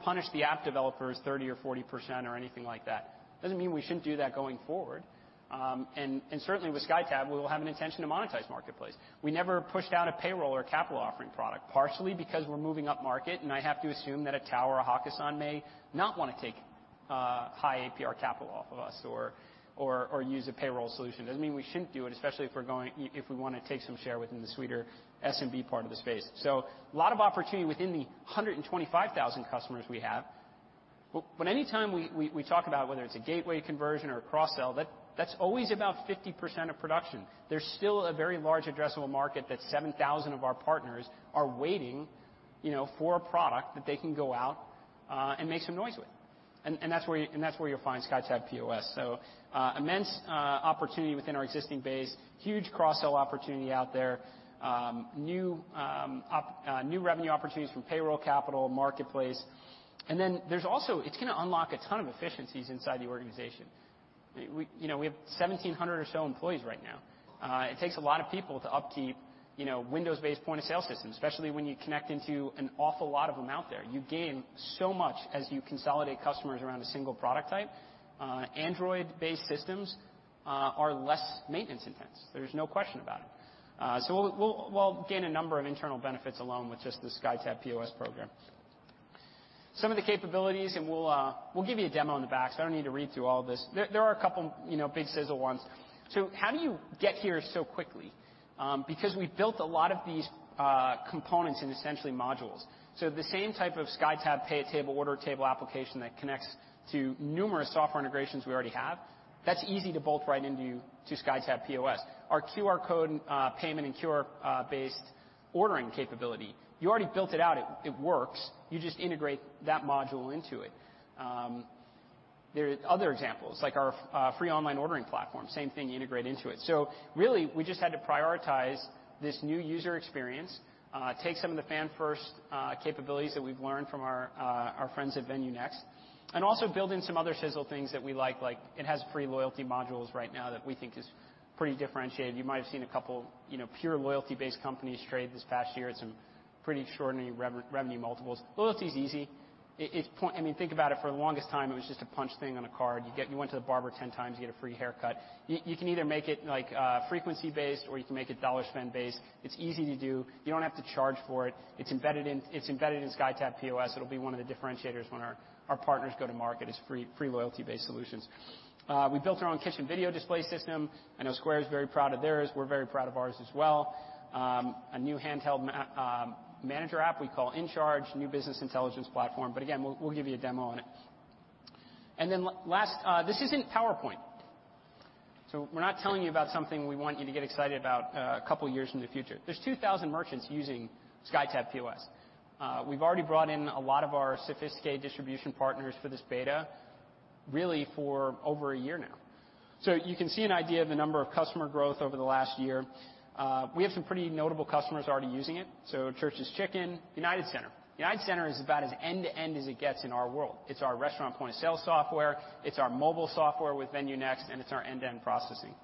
punish the app developers 30% or 40% or anything like that. It doesn't mean we shouldn't do that going forward. Certainly with SkyTab, we will have an intention to monetize marketplace. We never pushed out a payroll or capital offering product, partially because we're moving up market and I have to assume that a Tao or Hakkasan may not wanna take high APR capital off of us or use a payroll solution. It doesn't mean we shouldn't do it, especially if we're going if we wanna take some share within the sweeter SMB part of the space. A lot of opportunity within the 125,000 customers we have. Anytime we talk about whether it's a gateway conversion or a cross-sell, that's always about 50% of production. There's still a very large addressable market that 7,000 of our partners are waiting, you know, for a product that they can go out and make some noise with. That's where you'll find SkyTab POS. Immense opportunity within our existing base. Huge cross-sell opportunity out there. New revenue opportunities from payroll capital, marketplace. There's also. It's gonna unlock a ton of efficiencies inside the organization. We, you know, we have 1,700 or so employees right now. It takes a lot of people to upkeep, you know, Windows-based point-of-sale systems, especially when you connect into an awful lot of them out there. You gain so much as you consolidate customers around a single product type. Android-based systems are less maintenance intense. There's no question about it. We'll gain a number of internal benefits alone with just the SkyTab POS program. Some of the capabilities, and we'll give you a demo in the back, so I don't need to read through all this. There are a couple, you know, big sizzle ones. How do you get here so quickly? Because we've built a lot of these components in essentially modules. The same type of SkyTab pay-at-table, order-at-table application that connects to numerous software integrations we already have, that's easy to bolt right into SkyTab POS. Our QR code payment and QR-based ordering capability, you already built it out. It works. You just integrate that module into it. There are other examples, like our free online ordering platform. Same thing, you integrate into it. Really, we just had to prioritize this new user experience, take some of the fan-first capabilities that we've learned from our friends at VenueNext, and also build in some other sizzle things that we like it has free loyalty modules right now that we think is pretty differentiated. You might have seen a couple, you know, pure loyalty-based companies trade this past year at some pretty extraordinary revenue multiples. Loyalty's easy. I mean, think about it. For the longest time, it was just a punch thing on a card. You went to the barber 10 times, you get a free haircut. You can either make it, like, frequency-based or you can make it dollar spend-based. It's easy to do. You don't have to charge for it. It's embedded in SkyTab POS. It'll be one of the differentiators when our partners go to market, is free loyalty-based solutions. We built our own kitchen video display system. I know Square is very proud of theirs. We're very proud of ours as well. A new handheld manager app we call InCharge. New business intelligence platform. But again, we'll give you a demo on it. Last, this isn't PowerPoint. We're not telling you about something we want you to get excited about a couple years in the future. There's 2,000 merchants using SkyTab POS. We've already brought in a lot of our sophisticated distribution partners for this beta, really for over a year now. You can see an idea of the number of customer growth over the last year. We have some pretty notable customers already using it. Church's Chicken, United Center. United Center is about as end-to-end as it gets in our world. It's our restaurant point-of-sale software, it's our mobile software with VenueNext, and it's our end-to-end processing.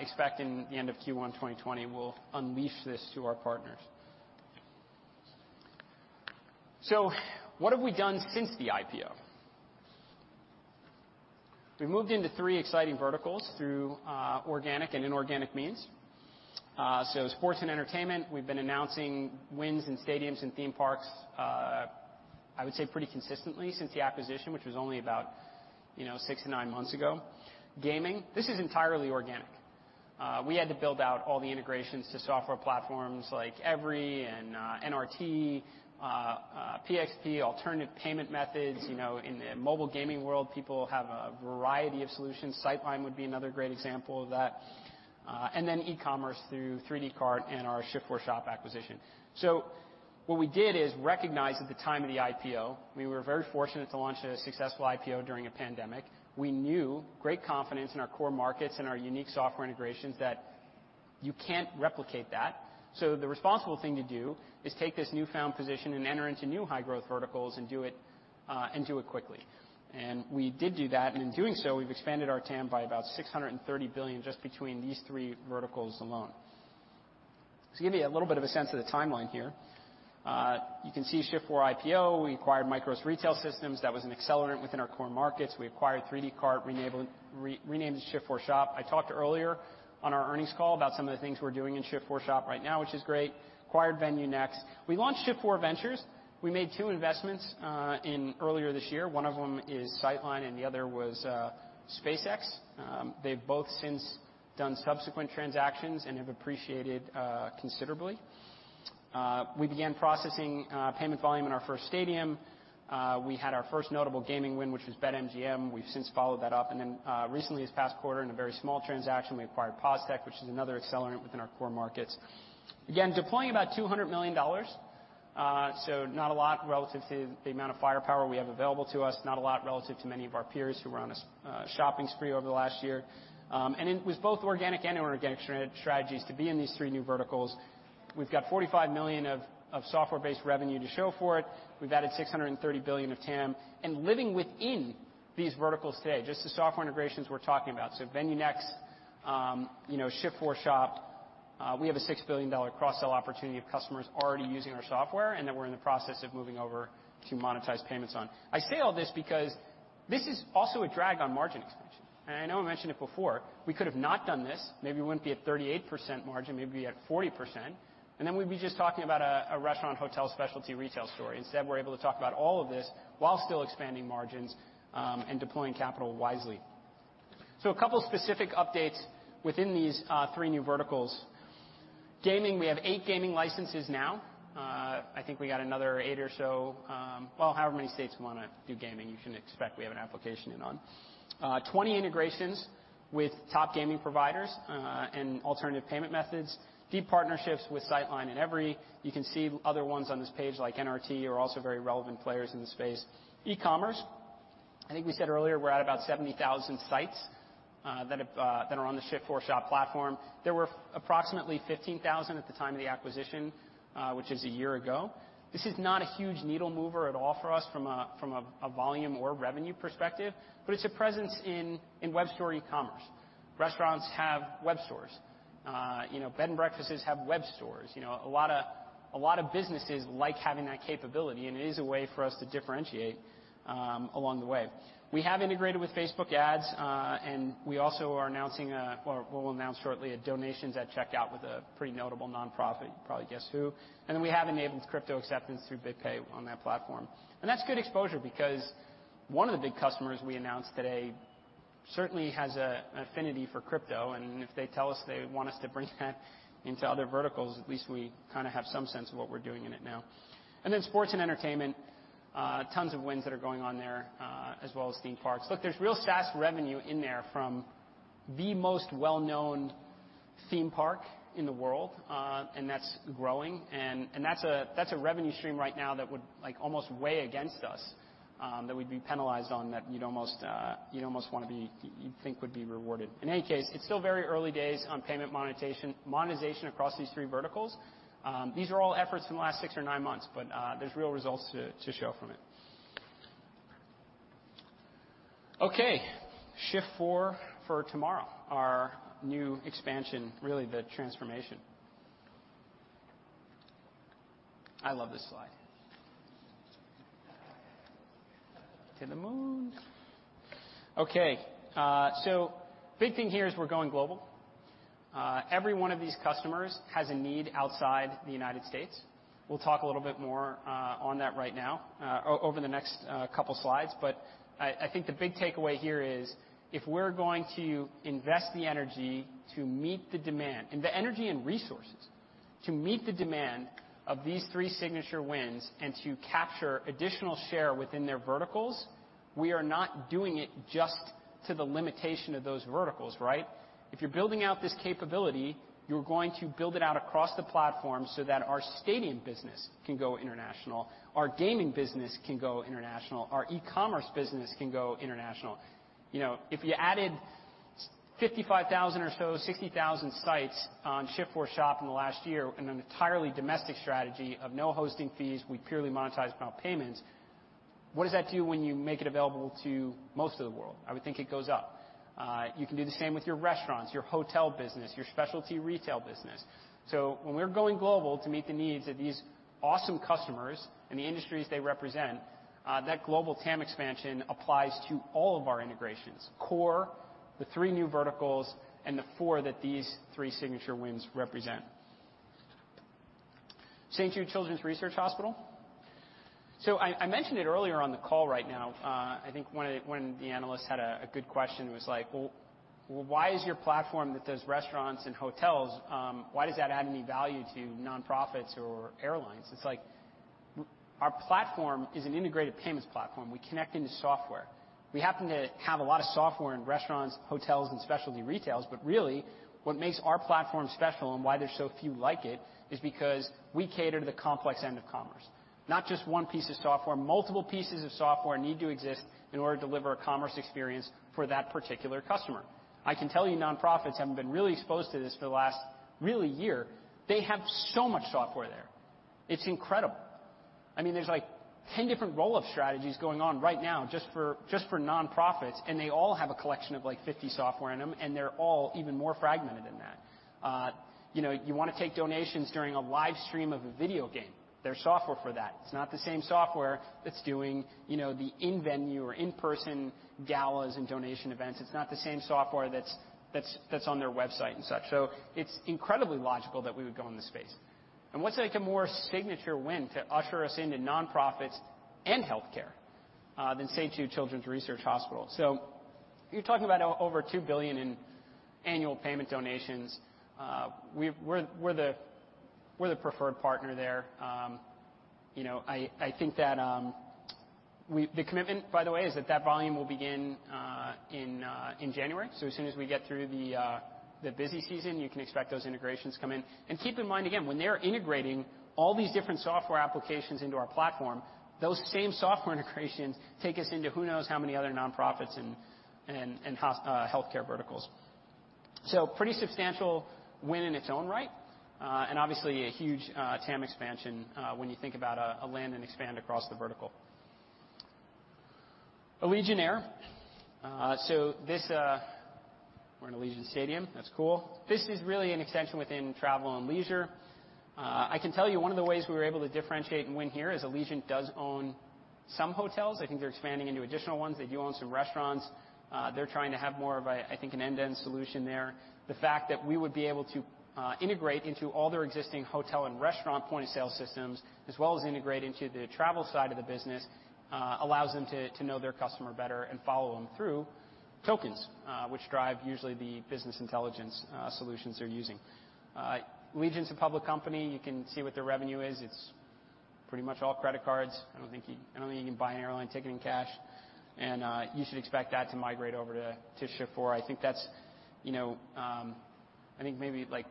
Expecting the end of Q1 2020, we'll unleash this to our partners. What have we done since the IPO? We've moved into three exciting verticals through organic and inorganic means. Sports and entertainment, we've been announcing wins in stadiums and theme parks. I would say pretty consistently since the acquisition, which was only about, you know, six to nine months ago. Gaming, this is entirely organic. We had to build out all the integrations to software platforms like Everi and, NRT, PXP, alternative payment methods. You know, in the mobile gaming world, people have a variety of solutions. Sightline would be another great example of that. And then e-commerce through 3dcart and our Shift4Shop acquisition. What we did is recognize at the time of the IPO, we were very fortunate to launch a successful IPO during a pandemic. We knew great confidence in our core markets and our unique software integrations that you can't replicate that. The responsible thing to do is take this newfound position and enter into new high-growth verticals and do it, and do it quickly. We did do that. In doing so, we've expanded our TAM by about $630 billion just between these three verticals alone. To give you a little bit of a sense of the timeline here, you can see Shift4 IPO. We acquired MICROS Retail Systems. That was an accelerant within our core markets. We acquired 3dcart, renamed it Shift4Shop. I talked earlier on our earnings call about some of the things we're doing in Shift4Shop right now, which is great. Acquired VenueNext. We launched Shift4 Ventures. We made two investments in early this year. One of them is Sightline, and the other was SpaceX. They've both since done subsequent transactions and have appreciated considerably. We began processing payment volume in our first stadium. We had our first notable gaming win, which was BetMGM. We've since followed that up. Recently this past quarter, in a very small transaction, we acquired PosTech, which is another accelerant within our core markets. Again, deploying about $200 million, so not a lot relative to the amount of firepower we have available to us, not a lot relative to many of our peers who were on a shopping spree over the last year. It was both organic and inorganic strategies to be in these three new verticals. We've got $45 million of software-based revenue to show for it. We've added $630 billion of TAM. Living within these verticals today, just the software integrations we're talking about, VenueNext, you know, Shift4Shop, we have a $6 billion cross-sell opportunity of customers already using our software and that we're in the process of moving over to monetize payments on. I say all this because this is also a drag on margin expansion, and I know I mentioned it before. We could have not done this. Maybe we wouldn't be at 38% margin, maybe be at 40%, and then we'd be just talking about a restaurant hotel specialty retail story. Instead, we're able to talk about all of this while still expanding margins and deploying capital wisely. A couple specific updates within these three new verticals. Gaming, we have eight gaming licenses now. I think we got another eight or so. Well, however many states want to do gaming, you can expect we have an application in on. 20 integrations with top gaming providers, and alternative payment methods. Deep partnerships with Sightline and Everi. You can see other ones on this page, like NRT, are also very relevant players in the space. E-commerce. I think we said earlier, we're at about 70,000 sites that are on the Shift4Shop platform. There were approximately 15,000 at the time of the acquisition, which is a year ago. This is not a huge needle mover at all for us from a volume or revenue perspective, but it's a presence in web store e-commerce. Restaurants have web stores. You know, bed and breakfasts have web stores. You know, a lot of businesses like having that capability, and it is a way for us to differentiate along the way. We have integrated with Facebook ads, and we also are announcing or we'll announce shortly donations at checkout with a pretty notable nonprofit. You can probably guess who. Then we have enabled crypto acceptance through BitPay on that platform. That's good exposure because one of the big customers we announced today certainly has an affinity for crypto, and if they tell us they want us to bring that into other verticals, at least we kind of have some sense of what we're doing in it now. Then sports and entertainment, tons of wins that are going on there, as well as theme parks. Look, there's real SaaS revenue in there from the most well-known theme park in the world, and that's growing. That's a revenue stream right now that would, like, almost weigh against us, that we'd be penalized on, that you'd almost wanna be. You'd think would be rewarded. In any case, it's still very early days on payment monetization across these three verticals. These are all efforts in the last six or nine months, but there's real results to show from it. Okay. Shift4 for tomorrow, our new expansion, really the transformation. I love this slide. To the moon. Okay. Big thing here is we're going global. Every one of these customers has a need outside the United States. We'll talk a little bit more on that right now over the next couple slides. I think the big takeaway here is, if we're going to invest the energy to meet the demand and the energy and resources to meet the demand of these three signature wins and to capture additional share within their verticals, we are not doing it just to the limitation of those verticals, right? If you're building out this capability, you're going to build it out across the platform so that our stadium business can go international, our gaming business can go international, our e-commerce business can go international. You know, if you added 55,000 or so, 60,000 sites on Shift4Shop in the last year in an entirely domestic strategy of no hosting fees, we purely monetize via payments, what does that do when you make it available to most of the world? I would think it goes up. You can do the same with your restaurants, your hotel business, your specialty retail business. When we're going global to meet the needs of these awesome customers and the industries they represent, that global TAM expansion applies to all of our integrations, core, the three new verticals and the four that these three signature wins represent. St. Jude Children's Research Hospital. I mentioned it earlier on the call right now. I think one of. One of the analysts had a good question, was like, "Why is your platform that does restaurants and hotels, why does that add any value to nonprofits or airlines?" It's like our platform is an integrated payments platform. We connect into software. We happen to have a lot of software in restaurants, hotels and specialty retail. But really, what makes our platform special and why there's so few like it is because we cater to the complex end of commerce. Not just one piece of software. Multiple pieces of software need to exist in order to deliver a commerce experience for that particular customer. I can tell you, nonprofits haven't been really exposed to this for the last really year. They have so much software there. It's incredible. I mean, there's like 10 different roll-up strategies going on right now just for nonprofits, and they all have a collection of like 50 software in them, and they're all even more fragmented than that. You know, you wanna take donations during a live stream of a video game. There's software for that. It's not the same software that's doing, you know, the in-venue or in-person galas and donation events. It's not the same software that's on their website and such. It's incredibly logical that we would go in the space. What's like a more signature win to usher us into nonprofits and healthcare than St. Jude Children's Research Hospital? You're talking about over $2 billion in annual payment donations. We're the preferred partner there. You know, I think that we. The commitment, by the way, is that volume will begin in January. As soon as we get through the busy season, you can expect those integrations come in. Keep in mind again, when they're integrating all these different software applications into our platform, those same software integrations take us into who knows how many other nonprofits and healthcare verticals. Pretty substantial win in its own right. Obviously a huge TAM expansion when you think about a land and expand across the vertical. Allegiant Air. We're in Allegiant Stadium, that's cool. This is really an extension within travel and leisure. I can tell you one of the ways we were able to differentiate and win here is Allegiant does own some hotels. I think they're expanding into additional ones. They do own some restaurants. They're trying to have more of a, I think, an end-to-end solution there. The fact that we would be able to integrate into all their existing hotel and restaurant point-of-sale systems as well as integrate into the travel side of the business allows them to know their customer better and follow them through tokens, which drive usually the business intelligence solutions they're using. Allegiant's a public company. You can see what their revenue is. It's pretty much all credit cards. I don't think you can buy an airline ticket in cash. You should expect that to migrate over to Shift4. I think that's, you know. I think maybe, like,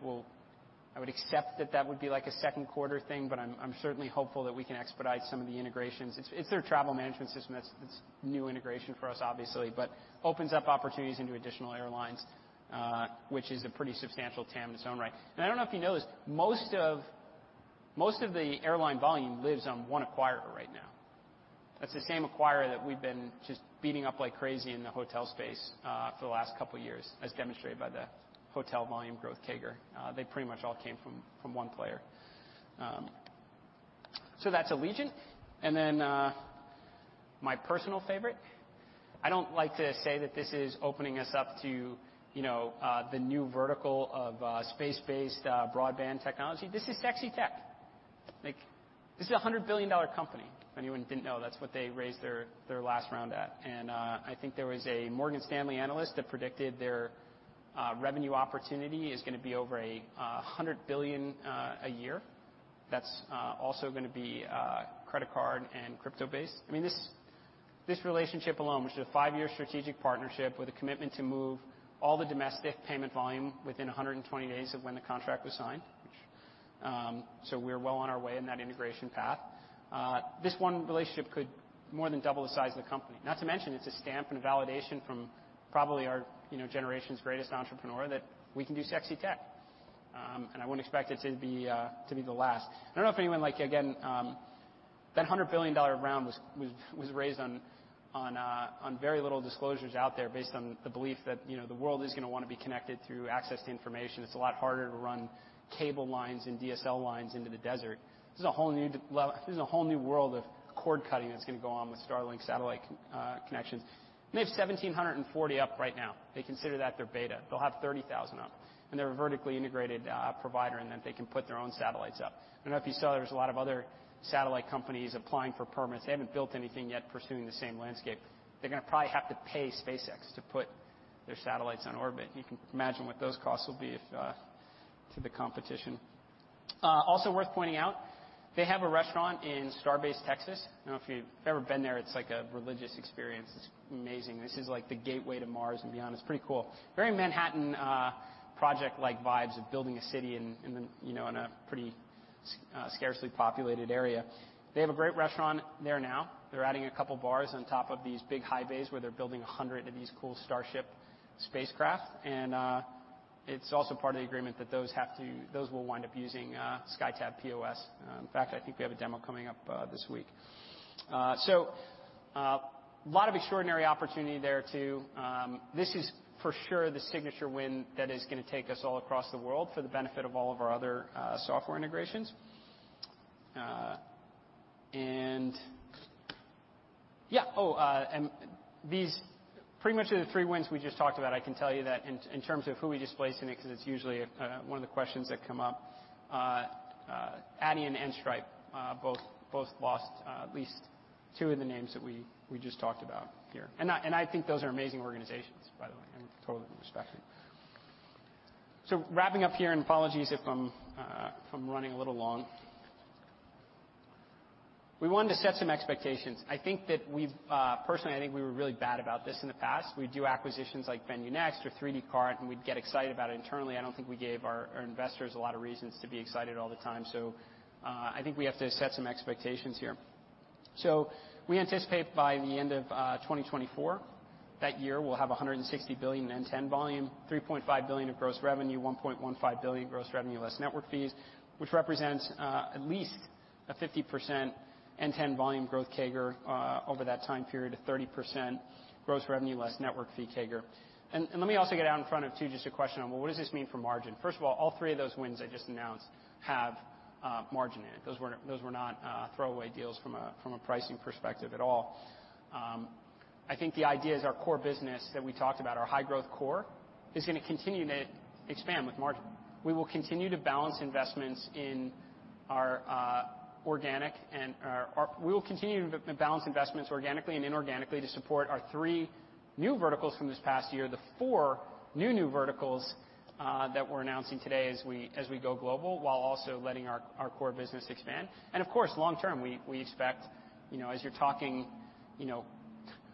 I would accept that would be like a second quarter thing, but I'm certainly hopeful that we can expedite some of the integrations. It's their travel management system that's new integration for us obviously, but opens up opportunities into additional airlines, which is a pretty substantial TAM in its own right. I don't know if you know this, most of the airline volume lives on one acquirer right now. That's the same acquirer that we've been just beating up like crazy in the hotel space, for the last couple of years, as demonstrated by the hotel volume growth CAGR. They pretty much all came from one player. That's Allegiant. My personal favorite, I don't like to say that this is opening us up to, you know, the new vertical of, space-based, broadband technology. This is sexy tech. Like, this is a $100 billion company. If anyone didn't know, that's what they raised their last round at. I think there was a Morgan Stanley analyst that predicted their revenue opportunity is gonna be over a $100 billion a year. That's also gonna be credit card and crypto-based. I mean, this relationship alone, which is a five-year strategic partnership with a commitment to move all the domestic payment volume within 120 days of when the contract was signed. We're well on our way in that integration path. This one relationship could more than double the size of the company. Not to mention, it's a stamp and a validation from probably our, you know, generation's greatest entrepreneur that we can do sexy tech. I wouldn't expect it to be the last. I don't know if anyone like, again, that $100 billion round was raised on very little disclosures out there based on the belief that, you know, the world is gonna wanna be connected through access to information. It's a lot harder to run cable lines and DSL lines into the desert. This is a whole new world of cord cutting that's gonna go on with Starlink satellite connections. They have 1,740 up right now. They consider that their beta. They'll have 30,000 up, and they're a vertically integrated provider, and then they can put their own satellites up. I don't know if you saw there's a lot of other satellite companies applying for permits. They haven't built anything yet pursuing the same landscape. They're gonna probably have to pay SpaceX to put their satellites on orbit, and you can imagine what those costs will be if to the competition. Also worth pointing out, they have a restaurant in Starbase, Texas. I don't know if you've ever been there, it's like a religious experience. It's amazing. This is like the gateway to Mars and beyond. It's pretty cool. Very Manhattan Project-like vibes of building a city in the, you know, in a pretty scarcely populated area. They have a great restaurant there now. They're adding a couple bars on top of these big high bays where they're building 100 of these cool Starship spacecraft. It's also part of the agreement that those will wind up using SkyTab POS. In fact, I think we have a demo coming up this week. A lot of extraordinary opportunity there too. This is for sure the signature win that is gonna take us all across the world for the benefit of all of our other software integrations. Yeah. These pretty much are the three wins we just talked about. I can tell you that in terms of who we displaced in it, 'cause it's usually one of the questions that come up. Adyen and Stripe both lost at least two of the names that we just talked about here. I think those are amazing organizations, by the way. I totally respect it. Wrapping up here, and apologies if I'm running a little long. We wanted to set some expectations. I think that we've personally I think we were really bad about this in the past. We'd do acquisitions like VenueNext or 3dcart, and we'd get excited about it internally. I don't think we gave our investors a lot of reasons to be excited all the time. I think we have to set some expectations here. We anticipate by the end of 2024, that year we'll have $160 billion end-to-end volume, $3.5 billion gross revenue, $1.15 billion gross revenue less network fees, which represents at least 50% end-to-end volume growth CAGR over that time period of 30% gross revenue less network fee CAGR. Let me also get out in front of too just a question on, well, what does this mean for margin? First of all three of those wins I just announced have margin in it. Those were not throwaway deals from a pricing perspective at all. I think the idea is our core business that we talked about, our high growth core, is gonna continue to expand with margin. We will continue to balance investments organically and inorganically to support our three new verticals from this past year, the four new verticals that we're announcing today as we go global, while also letting our core business expand. Of course, long term, we expect, you know, as you're talking, you know,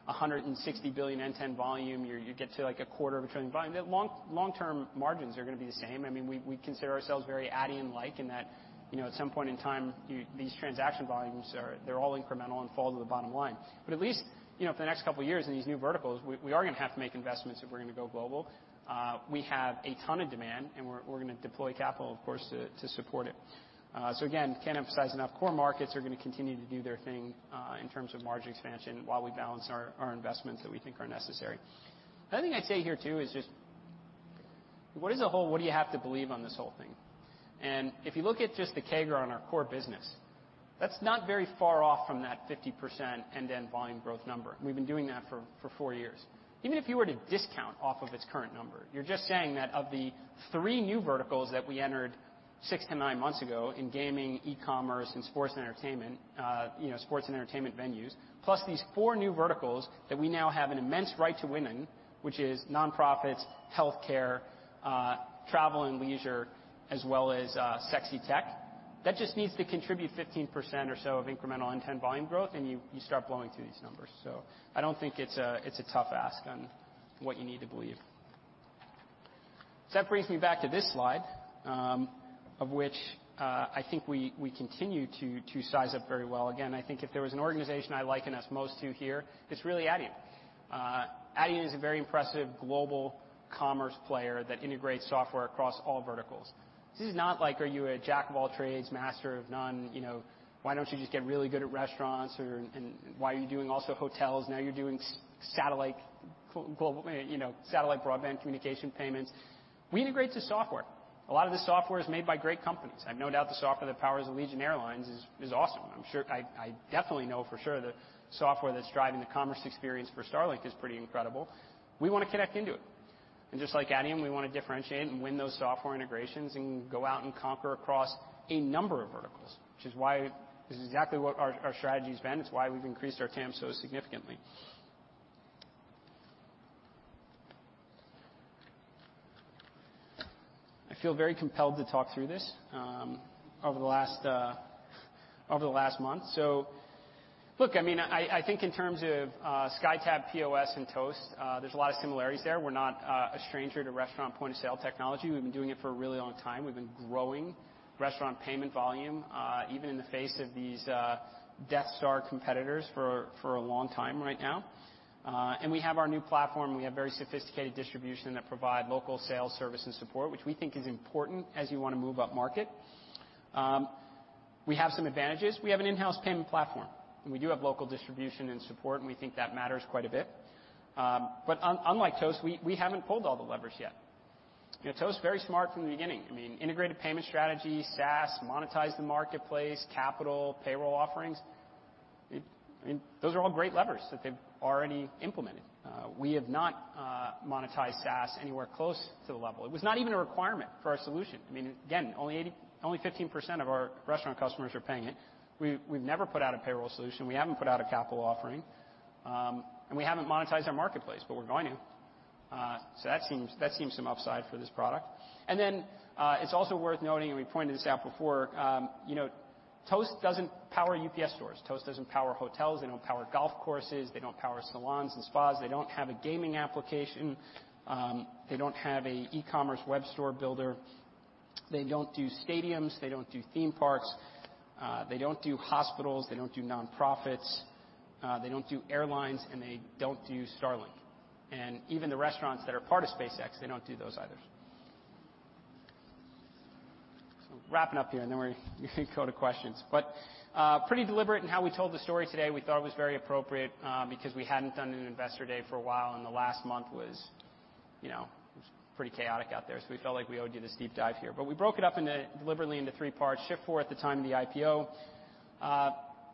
160 billion end-to-end volume, you get to like a quarter of a trillion volume, the long-term margins are gonna be the same. I mean, we consider ourselves very Adyen-like in that, you know, at some point in time, you, these transaction volumes are, they're all incremental and fall to the bottom line. At least, you know, for the next couple of years in these new verticals, we are gonna have to make investments if we're gonna go global. We have a ton of demand, and we're gonna deploy capital, of course, to support it. Again, can't emphasize enough, core markets are gonna continue to do their thing in terms of margin expansion while we balance our investments that we think are necessary. Another thing I'd say here too is just what is the whole, what do you have to believe on this whole thing? If you look at just the CAGR on our core business, that's not very far off from that 50% end-to-end volume growth number. We've been doing that for four years. Even if you were to discount off of its current number, you're just saying that of the three new verticals that we entered six to nine months ago in gaming, e-commerce, and sports and entertainment, you know, sports and entertainment venues, plus these four new verticals that we now have an immense right to winning, which is nonprofits, healthcare, travel and leisure, as well as, sexy tech. That just needs to contribute 15% or so of incremental intent volume growth, and you start blowing through these numbers. I don't think it's a tough ask on what you need to believe. That brings me back to this slide, of which, I think we continue to size up very well. Again, I think if there was an organization I liken us most to here, it's really Adyen. Adyen is a very impressive global commerce player that integrates software across all verticals. This is not like, are you a jack of all trades, master of none? You know, why don't you just get really good at restaurants or, and why are you doing also hotels? Now you're doing satellite global. You know, satellite broadband communication payments. We integrate to software. A lot of the software is made by great companies. I've no doubt the software that powers Allegiant Air is awesome. I'm sure. I definitely know for sure the software that's driving the commerce experience for Starlink is pretty incredible. We wanna connect into it. Just like Adyen, we wanna differentiate and win those software integrations and go out and conquer across a number of verticals, which is why this is exactly what our strategy's been. It's why we've increased our TAM so significantly. I feel very compelled to talk through this over the last month. Look, I mean, I think in terms of SkyTab POS and Toast, there's a lot of similarities there. We're not a stranger to restaurant point-of-sale technology. We've been doing it for a really long time. We've been growing restaurant payment volume even in the face of these death star competitors for a long time right now. We have our new platform. We have very sophisticated distribution that provide local sales, service, and support, which we think is important as you wanna move up market. We have some advantages. We have an in-house payment platform, and we do have local distribution and support, and we think that matters quite a bit. Unlike Toast, we haven't pulled all the levers yet. You know, Toast very smart from the beginning. I mean, integrated payment strategy, SaaS, monetize the marketplace, capital, payroll offerings. I mean, those are all great levers that they've already implemented. We have not monetized SaaS anywhere close to the level. It was not even a requirement for our solution. I mean, again, only 15% of our restaurant customers are paying it. We've never put out a payroll solution. We haven't put out a capital offering. We haven't monetized our marketplace, but we're going to. That seems some upside for this product. It's also worth noting, and we pointed this out before, you know, Toast doesn't power UPS stores. Toast doesn't power hotels. They don't power golf courses. They don't power salons and spas. They don't have a gaming application. They don't have an e-commerce web store builder. They don't do stadiums. They don't do theme parks. They don't do hospitals. They don't do nonprofits. They don't do airlines, and they don't do Starlink. And even the restaurants that are part of SpaceX, they don't do those either. So wrapping up here, and then we can go to questions. Pretty deliberate in how we told the story today. We thought it was very appropriate, because we hadn't done an investor day for a while, and the last month was, you know, it was pretty chaotic out there, so we felt like we owed you this deep dive here. We broke it up deliberately into three parts, Shift4 at the time of the IPO.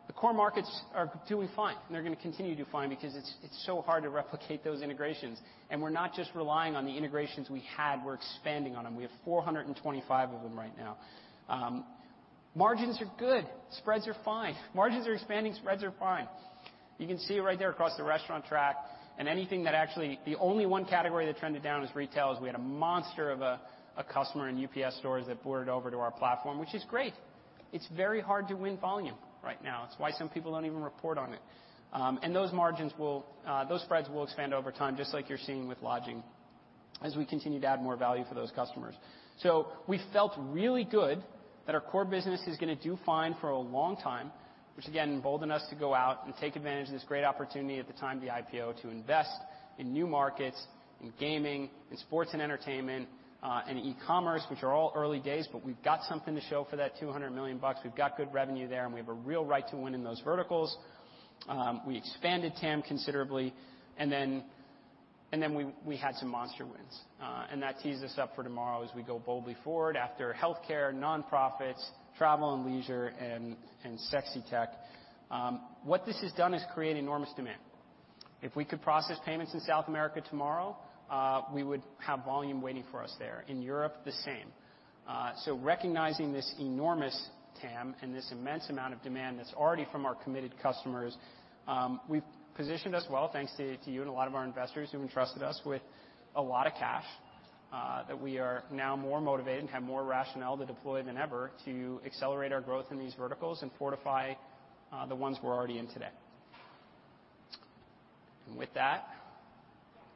The core markets are doing fine, and they're gonna continue to do fine because it's so hard to replicate those integrations. We're not just relying on the integrations we had, we're expanding on them. We have 425 of them right now. Margins are good. Spreads are fine. Margins are expanding. Spreads are fine. You can see it right there across the restaurant track. The only category that trended down is retail. We had a monster of a customer in UPS stores that boarded over to our platform, which is great. It's very hard to win volume right now. It's why some people don't even report on it. Those margins will, those spreads will expand over time, just like you're seeing with lodging, as we continue to add more value for those customers. We felt really good that our core business is gonna do fine for a long time, which again emboldened us to go out and take advantage of this great opportunity at the time of the IPO to invest in new markets, in gaming, in sports and entertainment, and e-commerce, which are all early days, but we've got something to show for that $200 million. We've got good revenue there, and we have a real right to win in those verticals. We expanded TAM considerably, and then we had some monster wins. That tees us up for tomorrow as we go boldly forward after healthcare, nonprofits, travel and leisure, and sexy tech. What this has done is create enormous demand. If we could process payments in South America tomorrow, we would have volume waiting for us there. In Europe, the same. Recognizing this enormous TAM and this immense amount of demand that's already from our committed customers, we've positioned us well, thanks to you and a lot of our investors who entrusted us with a lot of cash, that we are now more motivated and have more rationale to deploy than ever to accelerate our growth in these verticals and fortify the ones we're already in today. With that,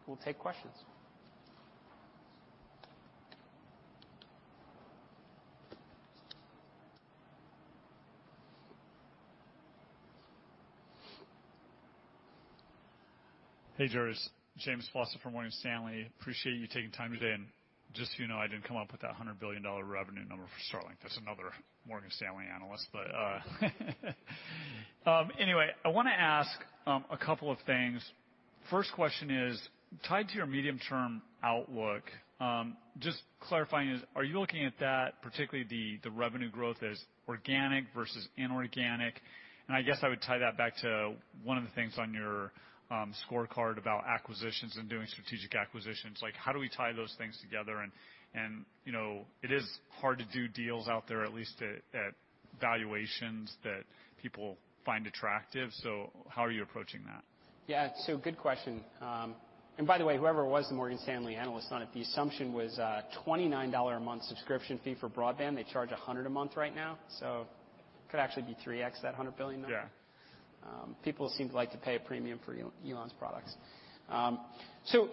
we'll take questions. Hey, Jared, it's James Faucette from Morgan Stanley. Appreciate you taking time today, and just so you know, I didn't come up with that $100 billion revenue number for Starlink. That's another Morgan Stanley analyst. Anyway, I wanna ask a couple of things. First question is tied to your medium-term outlook. Just clarifying, are you looking at that, particularly the revenue growth as organic versus inorganic? And I guess I would tie that back to one of the things on your scorecard about acquisitions and doing strategic acquisitions. Like, how do we tie those things together? You know, it is hard to do deals out there, at least at valuations that people find attractive. How are you approaching that? Good question. And by the way, whoever it was, the Morgan Stanley analyst on it, the assumption was, $29 a month subscription fee for broadband. They charge $100 a month right now, so could actually be 3x that $100 billion number. Yeah. People seem to like to pay a premium for Elon's products. Look,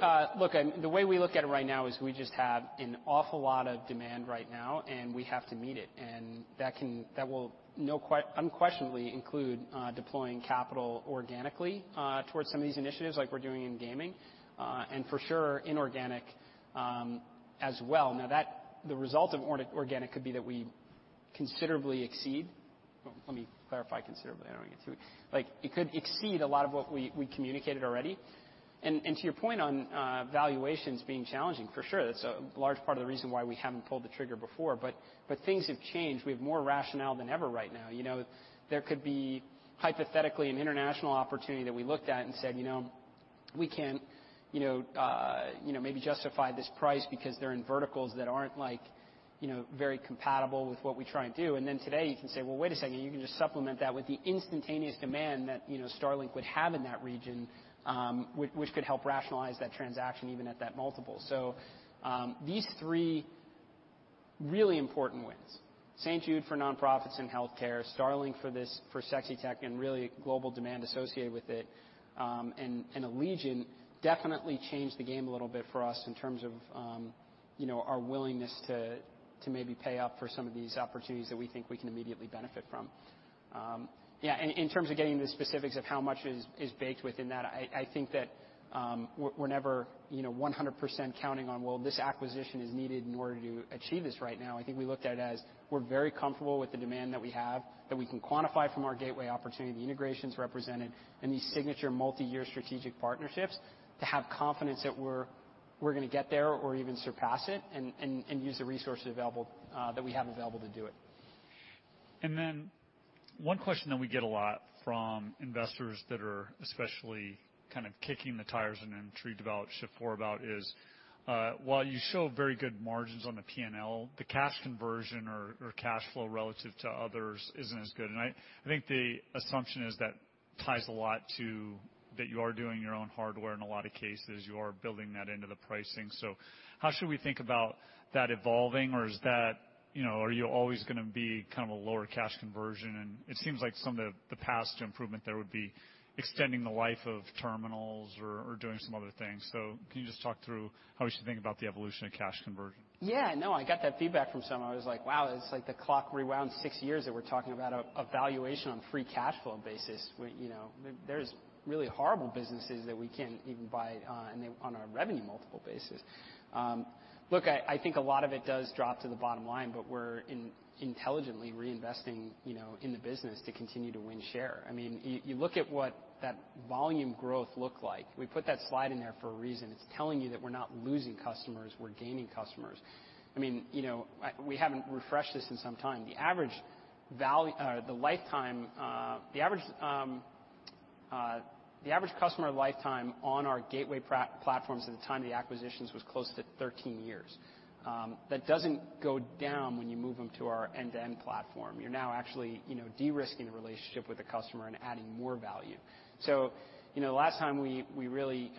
the way we look at it right now is we just have an awful lot of demand right now, and we have to meet it. That will unquestionably include deploying capital organically towards some of these initiatives like we're doing in gaming, and for sure inorganic, as well. Now the result of organic could be that we considerably exceed. Let me clarify considerably. I don't want to get too like it could exceed a lot of what we communicated already. To your point on valuations being challenging, for sure. That's a large part of the reason why we haven't pulled the trigger before. Things have changed. We have more rationale than ever right now. You know, there could be hypothetically an international opportunity that we looked at and said, "You know, we can't, you know, maybe justify this price because they're in verticals that aren't like, you know, very compatible with what we try and do." Today you can say, "Well, wait a second. You can just supplement that with the instantaneous demand that, you know, Starlink would have in that region, which could help rationalize that transaction even at that multiple." These three really important wins, St. Jude for nonprofits and healthcare, Starlink for sexy tech and really global demand associated with it, and Allegiant definitely changed the game a little bit for us in terms of, you know, our willingness to maybe pay up for some of these opportunities that we think we can immediately benefit from. Yeah, in terms of getting the specifics of how much is baked within that, I think that we're never, you know, 100% counting on, well, this acquisition is needed in order to achieve this right now. I think we looked at it as we're very comfortable with the demand that we have, that we can quantify from our gateway opportunity, the integrations represented in these signature multi-year strategic partnerships to have confidence that we're gonna get there or even surpass it and use the resources available that we have available to do it. Then one question that we get a lot from investors that are especially kind of kicking the tires and then due diligence on Shift4 about is, while you show very good margins on the P&L, the cash conversion or cash flow relative to others isn't as good. I think the assumption is that ties a lot to that you are doing your own hardware. In a lot of cases, you are building that into the pricing. How should we think about that evolving or is that, you know, are you always gonna be kind of a lower cash conversion? It seems like some of the path to improvement there would be extending the life of terminals or doing some other things. Can you just talk through how we should think about the evolution of cash conversion? Yeah. No, I got that feedback from someone. I was like, "Wow, it's like the clock rewound six years that we're talking about a valuation on free cash flow basis." You know, there's really horrible businesses that we can't even buy, and they're on a revenue multiple basis. Look, I think a lot of it does drop to the bottom line, but we're intelligently reinvesting, you know, in the business to continue to win share. I mean, you look at what that volume growth looked like. We put that slide in there for a reason. It's telling you that we're not losing customers, we're gaining customers. I mean, you know, we haven't refreshed this in some time. The average customer lifetime on our gateway platforms at the time of the acquisitions was close to 13 years. That doesn't go down when you move them to our end-to-end platform. You're now actually, you know, de-risking the relationship with the customer and adding more value. You know, last time we really,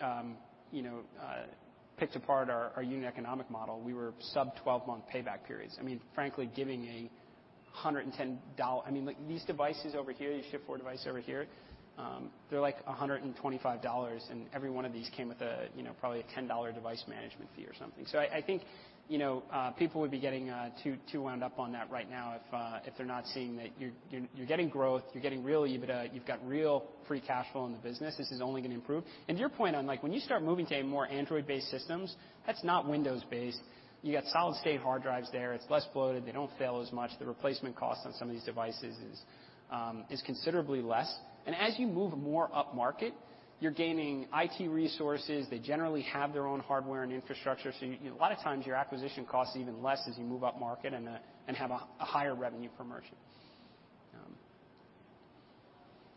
you know, picked apart our unit economic model, we were sub-12-month payback periods. I mean, frankly, giving a $110. I mean, like, these devices over here, your Shift4 device over here, they're like $125, and every one of these came with a, you know, probably a $10 device management fee or something. I think, you know, people would be getting too wound up on that right now if they're not seeing that you're getting growth, you're getting real EBITDA, you've got real free cash flow in the business. This is only gonna improve. To your point on, like, when you start moving to a more Android-based systems, that's not Windows-based. You got solid-state hard drives there. It's less bloated. They don't fail as much. The replacement cost on some of these devices is considerably less. As you move more upmarket, you're gaining IT resources. They generally have their own hardware and infrastructure. A lot of times your acquisition costs even less as you move upmarket and have a higher revenue per merchant.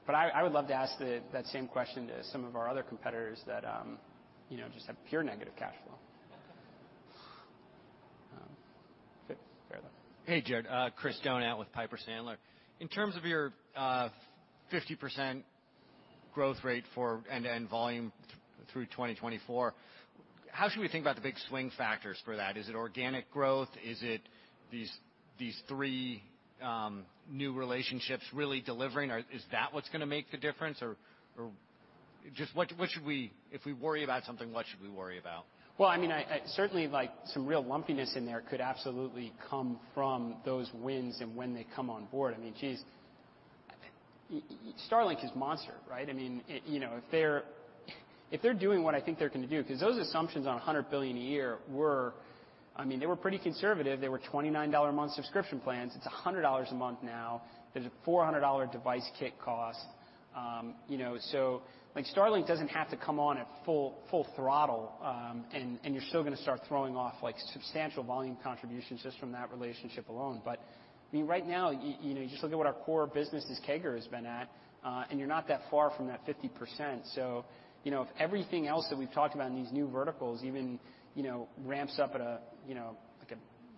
I would love to ask that same question to some of our other competitors that, you know, just have pure negative cash flow. Fair though. Hey, Jared. Chris Donat with Piper Sandler. In terms of your 50% growth rate for end-to-end volume through 2024, how should we think about the big swing factors for that? Is it organic growth? Is it these three new relationships really delivering or is that what's gonna make the difference or just what should we worry about? If we worry about something, what should we worry about? Well, I mean, I certainly like some real lumpiness in there could absolutely come from those wins and when they come on board. I mean, geez, Starlink is monster, right? I mean, you know, if they're doing what I think they're gonna do, because those assumptions on $100 billion a year were, I mean, they were pretty conservative. They were $29 a month subscription plans. It's $100 a month now. There's a $400 device kit cost. You know, so like Starlink doesn't have to come on at full throttle, and you're still gonna start throwing off like substantial volume contributions just from that relationship alone. I mean, right now, you know, you just look at what our core business' CAGR has been at, and you're not that far from that 50%. If everything else that we've talked about in these new verticals even ramps up at an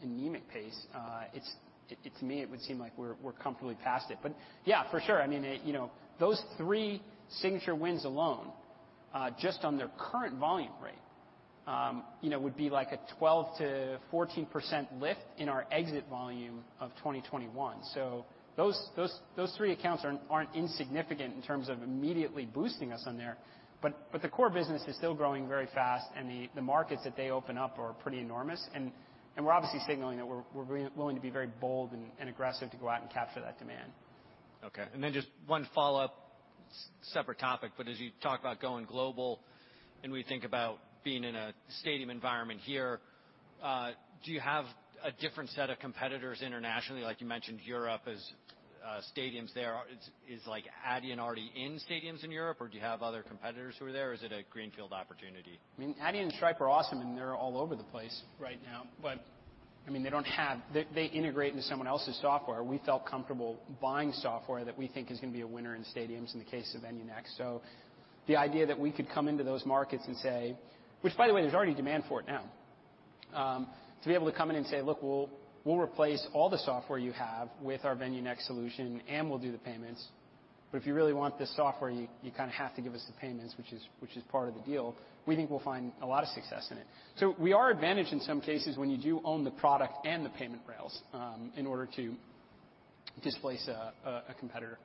anemic pace, to me, it would seem like we're comfortably past it. Yeah, for sure. Those three signature wins alone just on their current volume rate would be like a 12%-14% lift in our exit volume of 2021. Those three accounts aren't insignificant in terms of immediately boosting us on there. The core business is still growing very fast and the markets that they open up are pretty enormous and we're obviously signaling that we're willing to be very bold and aggressive to go out and capture that demand. Okay. Just one follow-up, separate topic, but as you talk about going global, and we think about being in a stadium environment here, do you have a different set of competitors internationally? Like you mentioned Europe as stadiums there. Is like Adyen already in stadiums in Europe, or do you have other competitors who are there? Or is it a greenfield opportunity? I mean, Adyen and Stripe are awesome, and they're all over the place right now. I mean, they integrate into someone else's software. We felt comfortable buying software that we think is gonna be a winner in stadiums in the case of VenueNext. The idea that we could come into those markets and say, which by the way, there's already demand for it now, to be able to come in and say, "Look, we'll replace all the software you have with our VenueNext solution, and we'll do the payments. If you really want this software, you kinda have to give us the payments, which is part of the deal," we think we'll find a lot of success in it. We are advantaged in some cases when you do own the product and the payment rails in order to displace a competitor.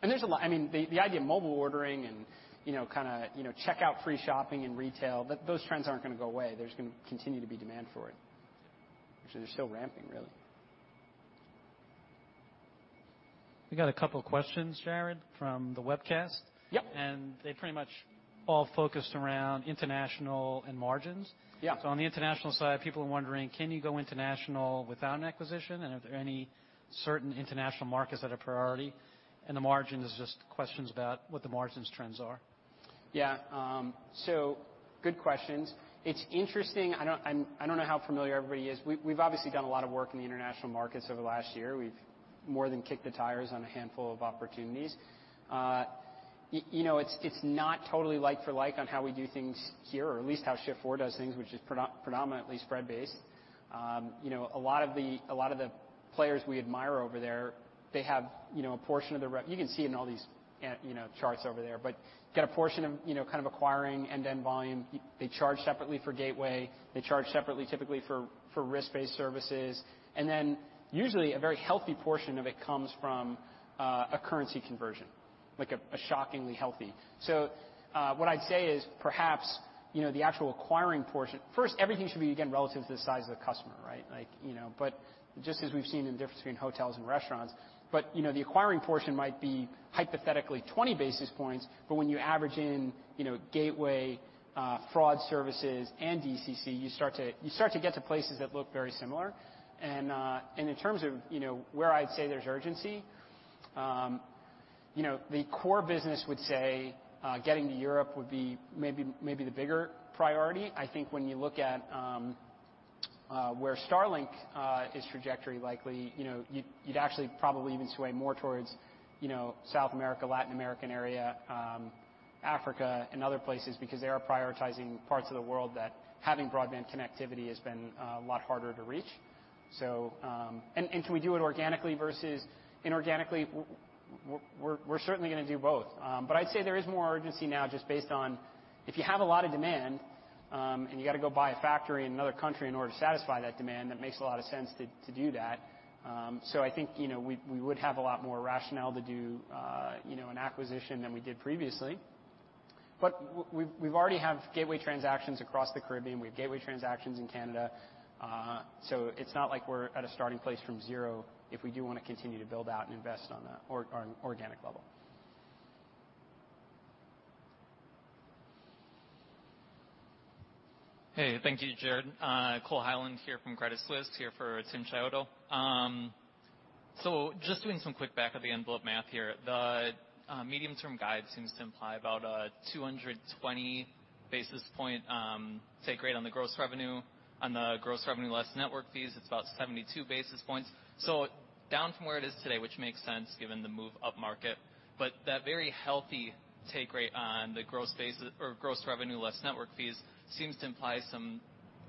There's a lot. I mean, the idea of mobile ordering and, you know, kinda, you know, checkout free shopping and retail, those trends aren't gonna go away. There's gonna continue to be demand for it, which they're still ramping really. We got a couple questions, Jared, from the webcast. Yep. They pretty much all focused around international and margins. Yeah. On the international side, people are wondering, can you go international without an acquisition? Are there any certain international markets that are priority? The margins, just questions about what the margins trends are. Good questions. It's interesting. I don't know how familiar everybody is. We've obviously done a lot of work in the international markets over the last year. We've more than kicked the tires on a handful of opportunities. You know, it's not totally like for like on how we do things here or at least how Shift4 does things, which is predominantly spread-based. You know, a lot of the players we admire over there, they have a portion of the. You can see in all these charts over there. They get a portion of kind of acquiring end-to-end volume. They charge separately for gateway. They charge separately typically for risk-based services. Usually a very healthy portion of it comes from a currency conversion, like a shockingly healthy. What I'd say is perhaps, you know, the actual acquiring portion. First, everything should be again, relative to the size of the customer, right? Like, you know, but just as we've seen the difference between hotels and restaurants. You know, the acquiring portion might be hypothetically 20 basis points, but when you average in, you know, gateway, fraud services and DCC, you start to get to places that look very similar. In terms of, you know, where I'd say there's urgency, you know, the core business would say, getting to Europe would be maybe the bigger priority. I think when you look at where Starlink's trajectory likely is, you know, you'd actually probably even sway more towards, you know, South America, Latin American area, Africa and other places because they are prioritizing parts of the world that having broadband connectivity has been a lot harder to reach. Can we do it organically versus inorganically? We're certainly gonna do both. But I'd say there is more urgency now just based on if you have a lot of demand, and you gotta go buy a factory in another country in order to satisfy that demand, that makes a lot of sense to do that. I think, you know, we would have a lot more rationale to do an acquisition than we did previously. We've already have gateway transactions across the Caribbean. We have gateway transactions in Canada. It's not like we're at a starting place from zero if we do wanna continue to build out and invest on organic level. Hey, thank you, Jared. Cole Hyland here from Credit Suisse, here for Tim Chiodo. Just doing some quick back of the envelope math here. The medium-term guide seems to imply about a 220 basis point take rate on the gross revenue. On the gross revenue less network fees, it's about 72 basis points. Down from where it is today, which makes sense given the move upmarket. That very healthy take rate on the gross basis or gross revenue less network fees seems to imply some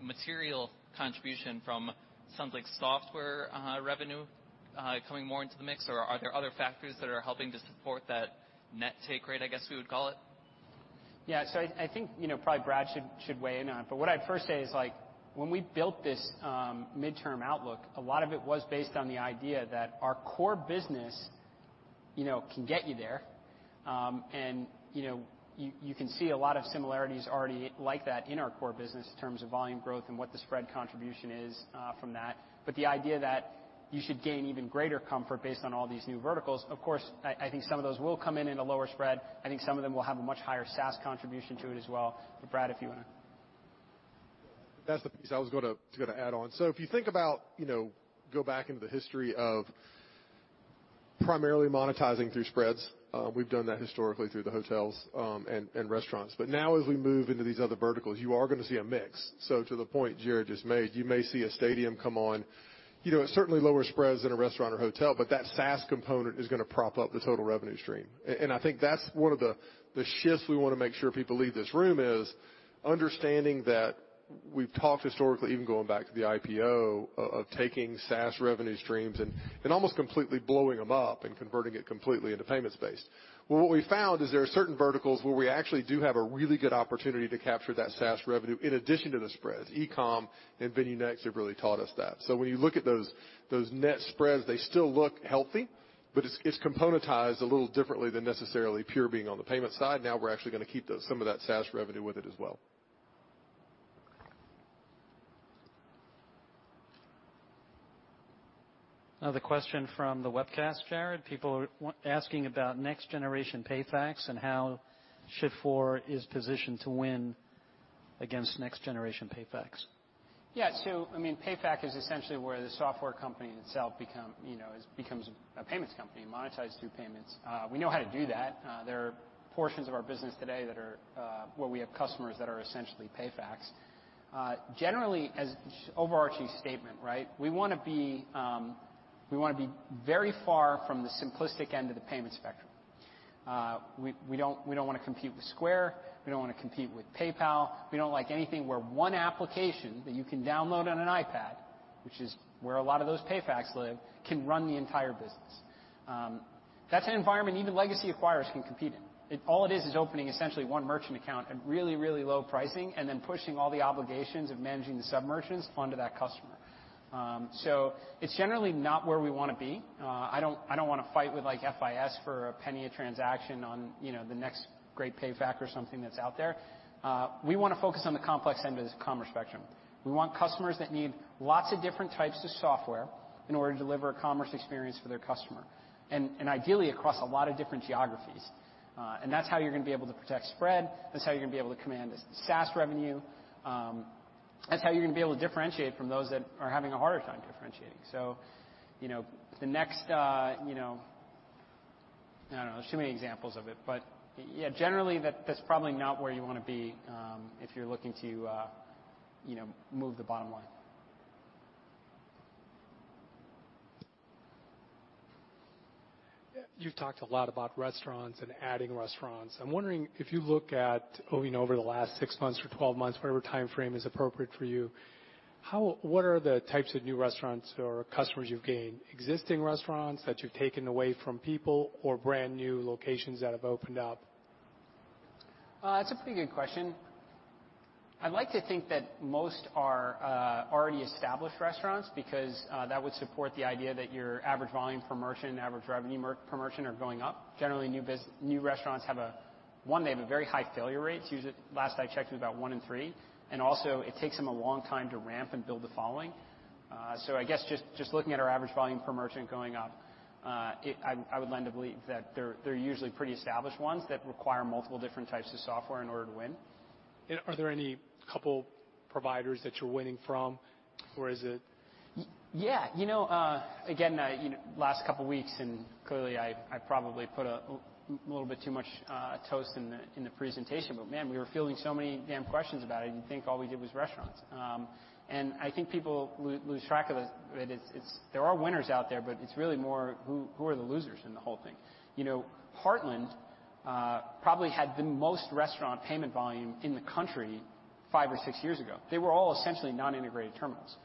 material contribution from something like software revenue coming more into the mix, or are there other factors that are helping to support that net take rate, I guess we would call it? Yeah. I think, you know, probably Brad should weigh in on it. What I'd first say is like when we built this midterm outlook, a lot of it was based on the idea that our core business, you know, can get you there. You know, you can see a lot of similarities already like that in our core business in terms of volume growth and what the spread contribution is from that. The idea that you should gain even greater comfort based on all these new verticals, of course, I think some of those will come in in a lower spread. I think some of them will have a much higher SaaS contribution to it as well. Brad, if you wanna. That's the piece I was gonna add on. If you think about, you know, go back into the history of primarily monetizing through spreads, we've done that historically through the hotels and restaurants. Now as we move into these other verticals, you are gonna see a mix. To the point Jared just made, you may see a stadium come on, you know, at certainly lower spreads than a restaurant or hotel, but that SaaS component is gonna prop up the total revenue stream. And I think that's one of the shifts we wanna make sure people leave this room is understanding that we've talked historically, even going back to the IPO of taking SaaS revenue streams and almost completely blowing them up and converting it completely into payment space. Well, what we found is there are certain verticals where we actually do have a really good opportunity to capture that SaaS revenue in addition to the spreads. E-com and VenueNext have really taught us that. When you look at those net spreads, they still look healthy, but it's componentized a little differently than necessarily pure being on the payment side. Now we're actually gonna keep those, some of that SaaS revenue with it as well. Another question from the webcast, Jared. People are asking about next generation PayFacs and how Shift4 is positioned to win against next generation PayFacs. Yeah. I mean, PayFacs is essentially where the software company itself becomes a payments company, monetized through payments. We know how to do that. There are portions of our business today that are where we have customers that are essentially PayFacs. Generally, as an overarching statement, right? We wanna be very far from the simplistic end of the payment spectrum. We don't wanna compete with Square, we don't wanna compete with PayPal, we don't like anything where one application that you can download on an iPad, which is where a lot of those PayFacs live, can run the entire business. That's an environment even legacy acquirers can compete in. It All it is is opening essentially one merchant account at really, really low pricing, and then pushing all the obligations of managing the sub-merchants onto that customer. It's generally not where we wanna be. I don't wanna fight with like FIS for a penny a transaction on, you know, the next great PayFacs or something that's out there. We wanna focus on the complex end of this commerce spectrum. We want customers that need lots of different types of software in order to deliver a commerce experience for their customer, and ideally across a lot of different geographies. And that's how you're gonna be able to protect spread. That's how you're gonna be able to command the SaaS revenue. That's how you're gonna be able to differentiate from those that are having a harder time differentiating. I don't know, there's too many examples of it, but yeah, generally that's probably not where you wanna be, if you're looking to, you know, move the bottom line. You've talked a lot about restaurants and adding restaurants. I'm wondering if you look at, you know, over the last six months or 12 months, whatever timeframe is appropriate for you, what are the types of new restaurants or customers you've gained? Existing restaurants that you've taken away from people or brand new locations that have opened up? That's a pretty good question. I'd like to think that most are already established restaurants because that would support the idea that your average volume per merchant and average revenue per merchant are going up. Generally, new restaurants have a one, they have a very high failure rate. Usually, last I checked was about one in three, and also it takes them a long time to ramp and build the following. I guess just looking at our average volume per merchant going up, it leads me to believe that they're usually pretty established ones that require multiple different types of software in order to win. Are there any couple providers that you're winning from, or is it? Yeah. You know, again, I you know, last couple weeks, and clearly I probably put a little bit too much Toast in the presentation, but man, we were fielding so many damn questions about it, you'd think all we did was restaurants. I think people lose track of it. There are winners out there, but it's really more who the losers in the whole thing. You know, Heartland probably had the most restaurant payment volume in the country five or six years ago. They were all essentially non-integrated terminals.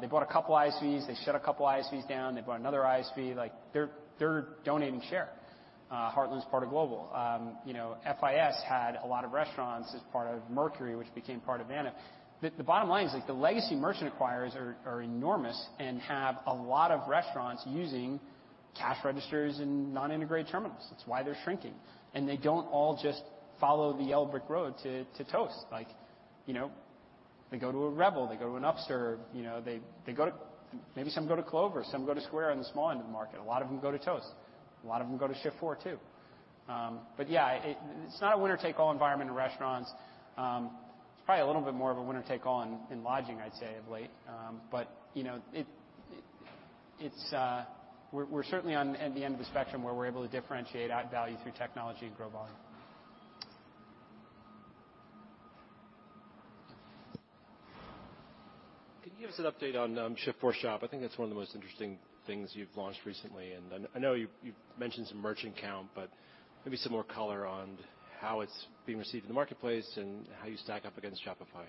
They bought a couple ISVs, they shut a couple ISVs down, they bought another ISV. Like, they're donating share. Heartland's part of Global. You know, FIS had a lot of restaurants as part of Mercury, which became part of Vantiv. The bottom line is like the legacy merchant acquirers are enormous and have a lot of restaurants using cash registers and non-integrated terminals. That's why they're shrinking. They don't all just follow the yellow brick road to Toast. Like, you know, they go to a Revel, they go to an Upserve, you know, they go to. Maybe some go to Clover, some go to Square on the small end of the market. A lot of them go to Toast. A lot of them go to Shift4 too. But yeah, it's not a winner-take-all environment in restaurants. It's probably a little bit more of a winner-take-all in lodging, I'd say of late. But you know, it's. We're certainly on the end of the spectrum where we're able to differentiate add value through technology and grow volume. Can you give us an update on Shift4Shop? I think that's one of the most interesting things you've launched recently, and I know you've mentioned some merchant count, but maybe some more color on how it's being received in the marketplace and how you stack up against Shopify?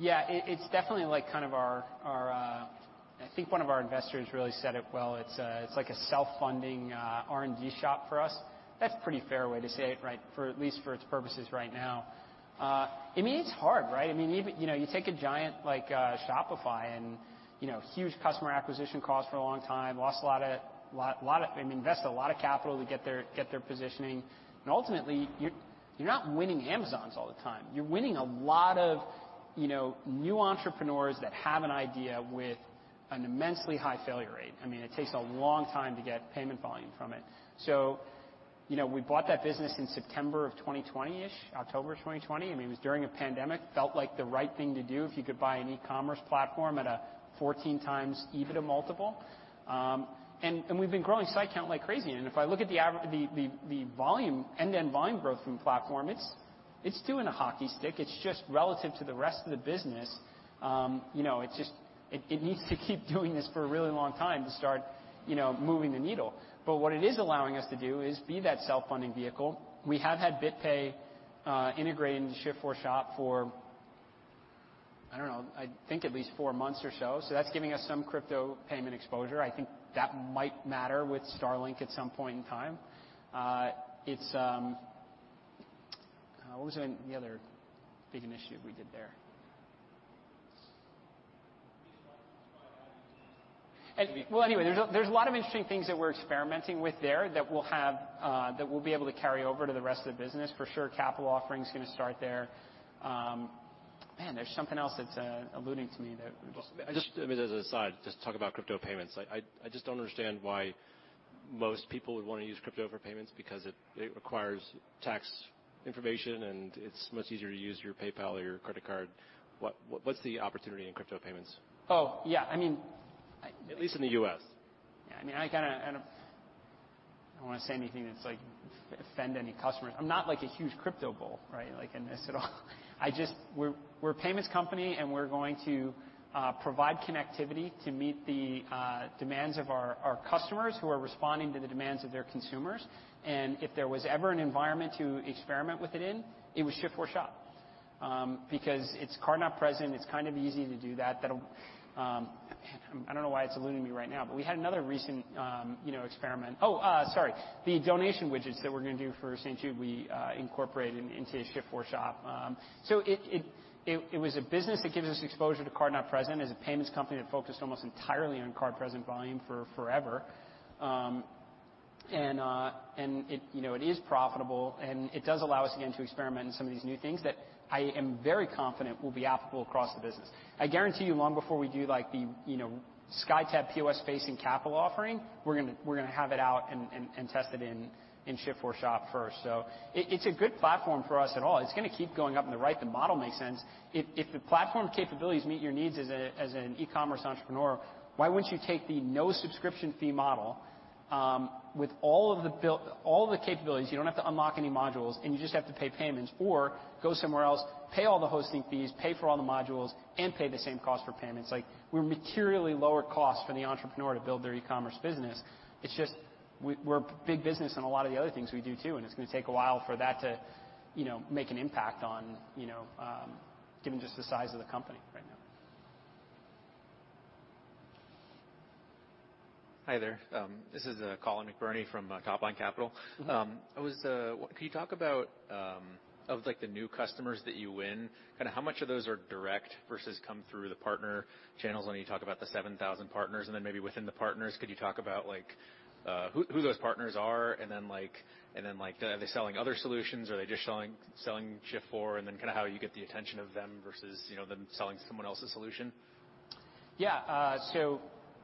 Yeah. It's definitely like kind of our R&D shop for us. I think one of our investors really said it well. It's like a self-funding R&D shop for us. That's a pretty fair way to say it, right? For at least its purposes right now. I mean, it's hard, right? I mean, even you know, you take a giant like Shopify and you know, huge customer acquisition costs for a long time, lost a lot of, I mean, invested a lot of capital to get their positioning, and ultimately you're not winning Amazons all the time. You're winning a lot of you know, new entrepreneurs that have an idea with an immensely high failure rate. I mean, it takes a long time to get payment volume from it. You know, we bought that business in September of 2020-ish, October 2020. I mean, it was during a pandemic, felt like the right thing to do if you could buy an e-commerce platform at a 14x EBITDA multiple. And we've been growing site count like crazy. And if I look at the volume, end-to-end volume growth from platform, it's doing a hockey stick. It's just relative to the rest of the business. You know, it's just it needs to keep doing this for a really long time to start moving the needle. But what it is allowing us to do is be that self-funding vehicle. We have had BitPay integrated into Shift4Shop for, I don't know, I think at least four months or so. That's giving us some crypto payment exposure. I think that might matter with Starlink at some point in time. It's. What was the other big initiative we did there? Well, anyway, there's a lot of interesting things that we're experimenting with there that we'll be able to carry over to the rest of the business for sure. Capital offering is gonna start there. Man, there's something else that's eluding me that. Just as an aside, just talk about crypto payments. I just don't understand why most people would wanna use crypto for payments because it requires tax information, and it's much easier to use your PayPal or your credit card. What's the opportunity in crypto payments? Oh, yeah. I mean. At least in the U.S. Yeah. I mean, I kinda don't wanna say anything that's like offend any customers. I'm not like a huge crypto bull, right? Like in this at all. I just. We're a payments company, and we're going to provide connectivity to meet the demands of our customers who are responding to the demands of their consumers. If there was ever an environment to experiment with it in, it was Shift4Shop. Because it's card not present, it's kind of easy to do that. Man, I don't know why it's eluding me right now, but we had another recent, you know, experiment. Oh, sorry. The donation widgets that we're gonna do for St. Jude, we incorporated into Shift4Shop. It was a business that gives us exposure to card not present as a payments company that focused almost entirely on card present volume for forever. And it, you know, it is profitable, and it does allow us again to experiment in some of these new things that I am very confident will be applicable across the business. I guarantee you, long before we do like the, you know, SkyTab POS facing capital offering, we're gonna have it out and test it in Shift4Shop first. It's a good platform for us at all. It's gonna keep going up in the right. The model makes sense. If the platform capabilities meet your needs as an e-commerce entrepreneur, why wouldn't you take the no subscription fee model with all the capabilities? You don't have to unlock any modules, and you just have to pay payments or go somewhere else, pay all the hosting fees, pay for all the modules, and pay the same cost for payments. Like, we're materially lower cost for the entrepreneur to build their e-commerce business. It's just we're big business in a lot of the other things we do too, and it's gonna take a while for that to, you know, make an impact on, you know, given just the size of the company right now. Hi there. This is Collin McBirney from Topline Capital. Mm-hmm. Can you talk about like the new customers that you win, kinda how much of those are direct versus come through the partner channels when you talk about the 7,000 partners, and then maybe within the partners, could you talk about like who those partners are and then like are they selling other solutions or are they just selling Shift4, and then kinda how you get the attention of them versus, you know, them selling someone else's solution? Yeah.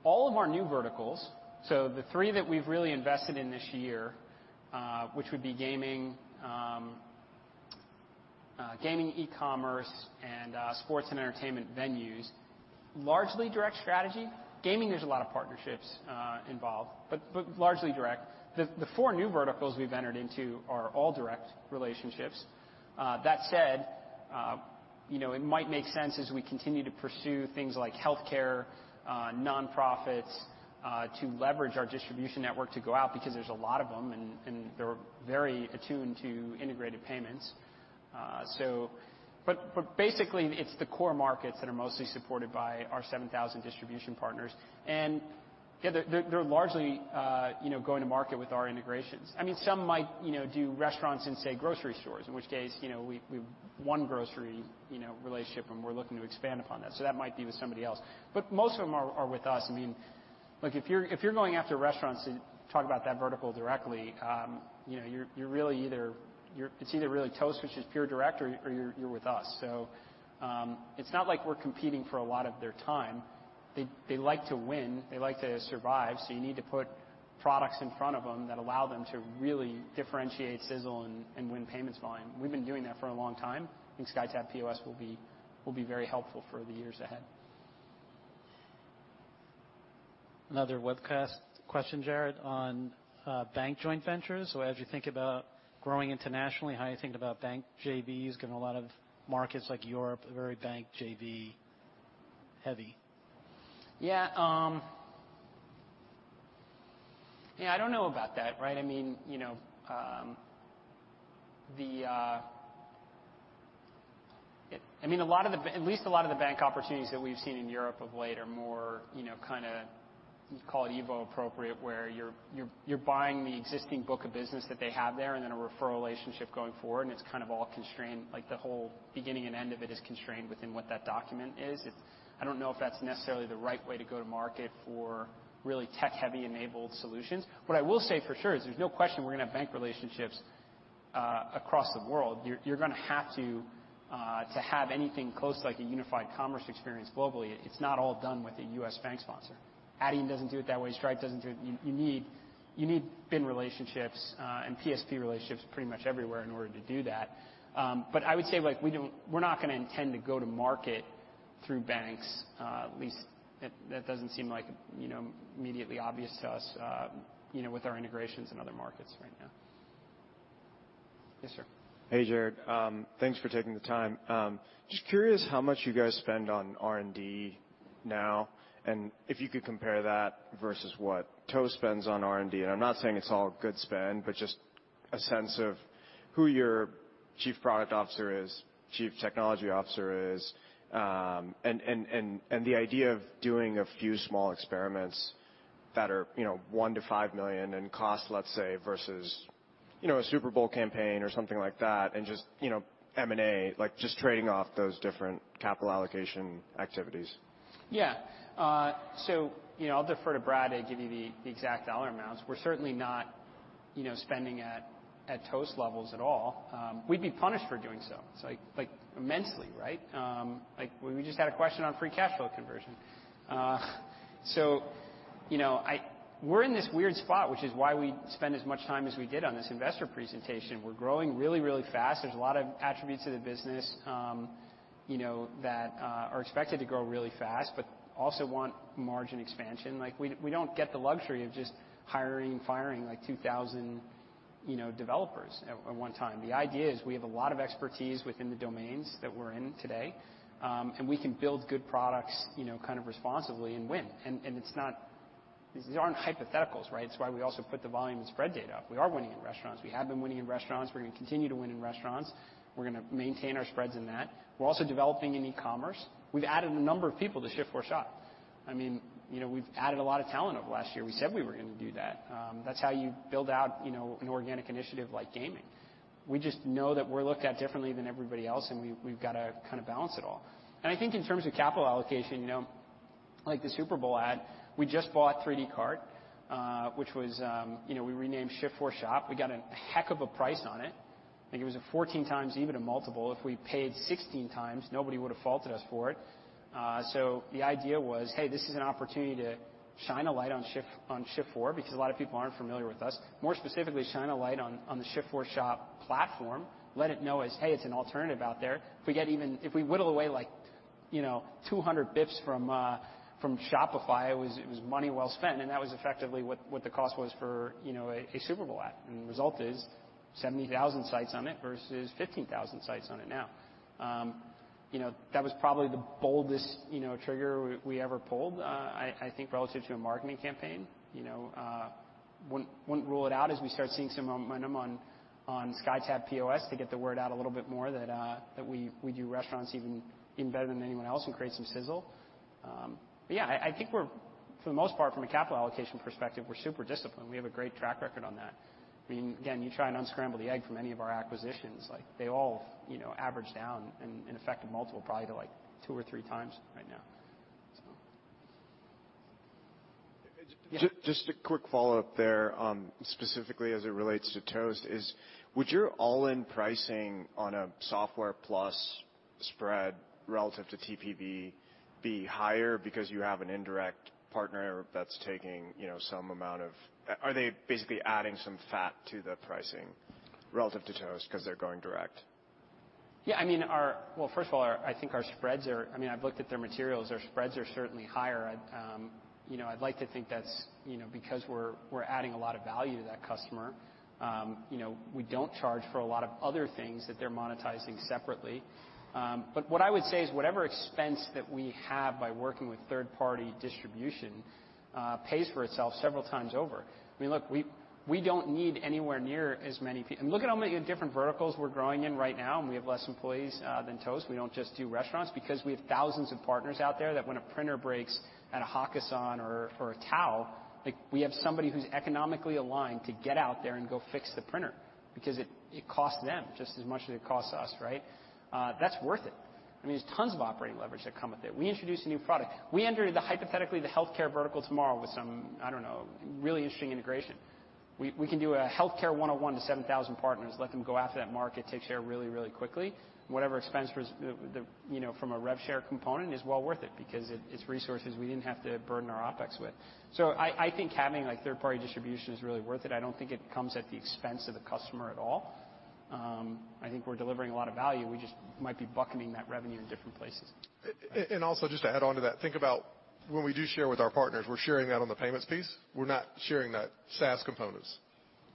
All of our new verticals, so the three that we've really invested in this year, which would be gaming, e-commerce and sports and entertainment venues, largely direct strategy. Gaming, there's a lot of partnerships involved, but largely direct. The four new verticals we've entered into are all direct relationships. That said, you know, it might make sense as we continue to pursue things like healthcare, nonprofits, to leverage our distribution network to go out because there's a lot of them and they're very attuned to integrated payments. Basically, it's the core markets that are mostly supported by our 7,000 distribution partners. Yeah, they're largely, you know, going to market with our integrations. I mean, some might, you know, do restaurants and say grocery stores, in which case, you know, we've one grocery, you know, relationship and we're looking to expand upon that. That might be with somebody else. Most of them are with us. I mean, look, if you're going after restaurants and talk about that vertical directly, you know, it's either really Toast, which is pure direct or you're with us. It's not like we're competing for a lot of their time. They like to win. They like to survive. You need to put products in front of them that allow them to really differentiate, sizzle and win payments volume. We've been doing that for a long time, and SkyTab POS will be very helpful for the years ahead. Another webcast question, Jared, on bank joint ventures. As you think about growing internationally, how you think about bank JVs, given a lot of markets like Europe are very bank JV heavy. Yeah. Yeah, I don't know about that, right? I mean, you know, I mean, a lot of the. At least a lot of the bank opportunities that we've seen in Europe of late are more, you know, kinda call it EVO appropriate, where you're buying the existing book of business that they have there and then a referral relationship going forward, and it's kind of all constrained. Like, the whole beginning and end of it is constrained within what that document is. I don't know if that's necessarily the right way to go to market for really tech-heavy enabled solutions. What I will say for sure is there's no question we're gonna have bank relationships across the world. You're gonna have to have anything close to like a unified commerce experience globally. It's not all done with a U.S. bank sponsor. Adyen doesn't do it that way. Stripe doesn't do it. You need BIN relationships and PSP relationships pretty much everywhere in order to do that. I would say like we're not gonna intend to go to market through banks. At least that doesn't seem like you know immediately obvious to us you know with our integrations in other markets right now. Yes, sir. Hey, Jared. Thanks for taking the time. Just curious how much you guys spend on R&D now, and if you could compare that versus what Toast spends on R&D. I'm not saying it's all good spend, but just a sense of who your chief product officer is, chief technology officer is, and the idea of doing a few small experiments. That are, you know, $1 million-$5 million in cost, let's say, versus, you know, a Super Bowl campaign or something like that, and just, you know, M&A, like, just trading off those different capital allocation activities. Yeah. So, you know, I'll defer to Brad to give you the exact dollar amounts. We're certainly not spending at Toast levels at all. We'd be punished for doing so. It's like immensely, right? Like we just had a question on free cash flow conversion. We're in this weird spot, which is why we spend as much time as we did on this investor presentation. We're growing really fast. There's a lot of attributes to the business that are expected to grow really fast, but also want margin expansion. Like, we don't get the luxury of just hiring and firing, like, 2,000, you know, developers at one time. The idea is we have a lot of expertise within the domains that we're in today, and we can build good products, you know, kind of responsibly and win. It's not, these aren't hypotheticals, right? It's why we also put the volume and spread data up. We are winning in restaurants. We have been winning in restaurants. We're gonna maintain our spreads in that. We're also developing in e-commerce. We've added a number of people to Shift4Shop. I mean, you know, we've added a lot of talent over last year. We said we were gonna do that. That's how you build out, you know, an organic initiative like gaming. We just know that we're looked at differently than everybody else, and we've got to kind of balance it all. I think in terms of capital allocation, you know, like the Super Bowl ad, we just bought 3dcart, which was... You know, we renamed Shift4Shop. We got a heck of a price on it. I think it was a 14x EBITDA multiple. If we paid 16x, nobody would have faulted us for it. So the idea was, hey, this is an opportunity to shine a light on Shift, on Shift4 because a lot of people aren't familiar with us. More specifically, shine a light on the Shift4Shop platform. Let it know as, hey, it's an alternative out there. If we whittle away like, you know, 200 basis points from Shopify, it was money well spent, and that was effectively what the cost was for, you know, a Super Bowl ad. The result is 70,000 sites on it versus 15,000 sites on it now. You know, that was probably the boldest, you know, trigger we ever pulled, I think relative to a marketing campaign. You know, wouldn't rule it out as we start seeing some momentum on SkyTab POS to get the word out a little bit more that we do restaurants even better than anyone else and create some sizzle. But yeah, I think we're, for the most part, from a capital allocation perspective, we're super disciplined. We have a great track record on that. I mean, again, you try and unscramble the egg from any of our acquisitions, like they all, you know, average down in effective multiple probably to, like, 2x or 3x right now. Just a quick follow-up there, specifically as it relates to Toast, would your all-in pricing on a software plus spread relative to TPV be higher because you have an indirect partner that's taking, you know, some amount of fat? Are they basically adding some fat to the pricing relative to Toast because they're going direct? Well, first of all, I think our spreads are. I mean, I've looked at their materials. Our spreads are certainly higher. You know, I'd like to think that's, you know, because we're adding a lot of value to that customer. You know, we don't charge for a lot of other things that they're monetizing separately. But what I would say is whatever expense that we have by working with third-party distribution pays for itself several times over. I mean, look, we don't need anywhere near as many. Look at how many different verticals we're growing in right now, and we have less employees than Toast. We don't just do restaurants because we have thousands of partners out there that when a printer breaks at a Hakkasan or a Tao, like, we have somebody who's economically aligned to get out there and go fix the printer because it costs them just as much as it costs us, right? That's worth it. I mean, there's tons of operating leverage that come with it. We introduce a new product. We enter the, hypothetically, the healthcare vertical tomorrow with some, I don't know, really interesting integration. We can do a healthcare 1-on-1 to 7,000 partners, let them go after that market, take share really, really quickly. Whatever expense the, you know, from a rev share component is well worth it because it's resources we didn't have to burden our OpEx with. I think having, like, third-party distribution is really worth it. I don't think it comes at the expense of the customer at all. I think we're delivering a lot of value. We just might be bucketing that revenue in different places. Also just to add on to that, think about when we do share with our partners, we're sharing that on the payments piece. We're not sharing that SaaS components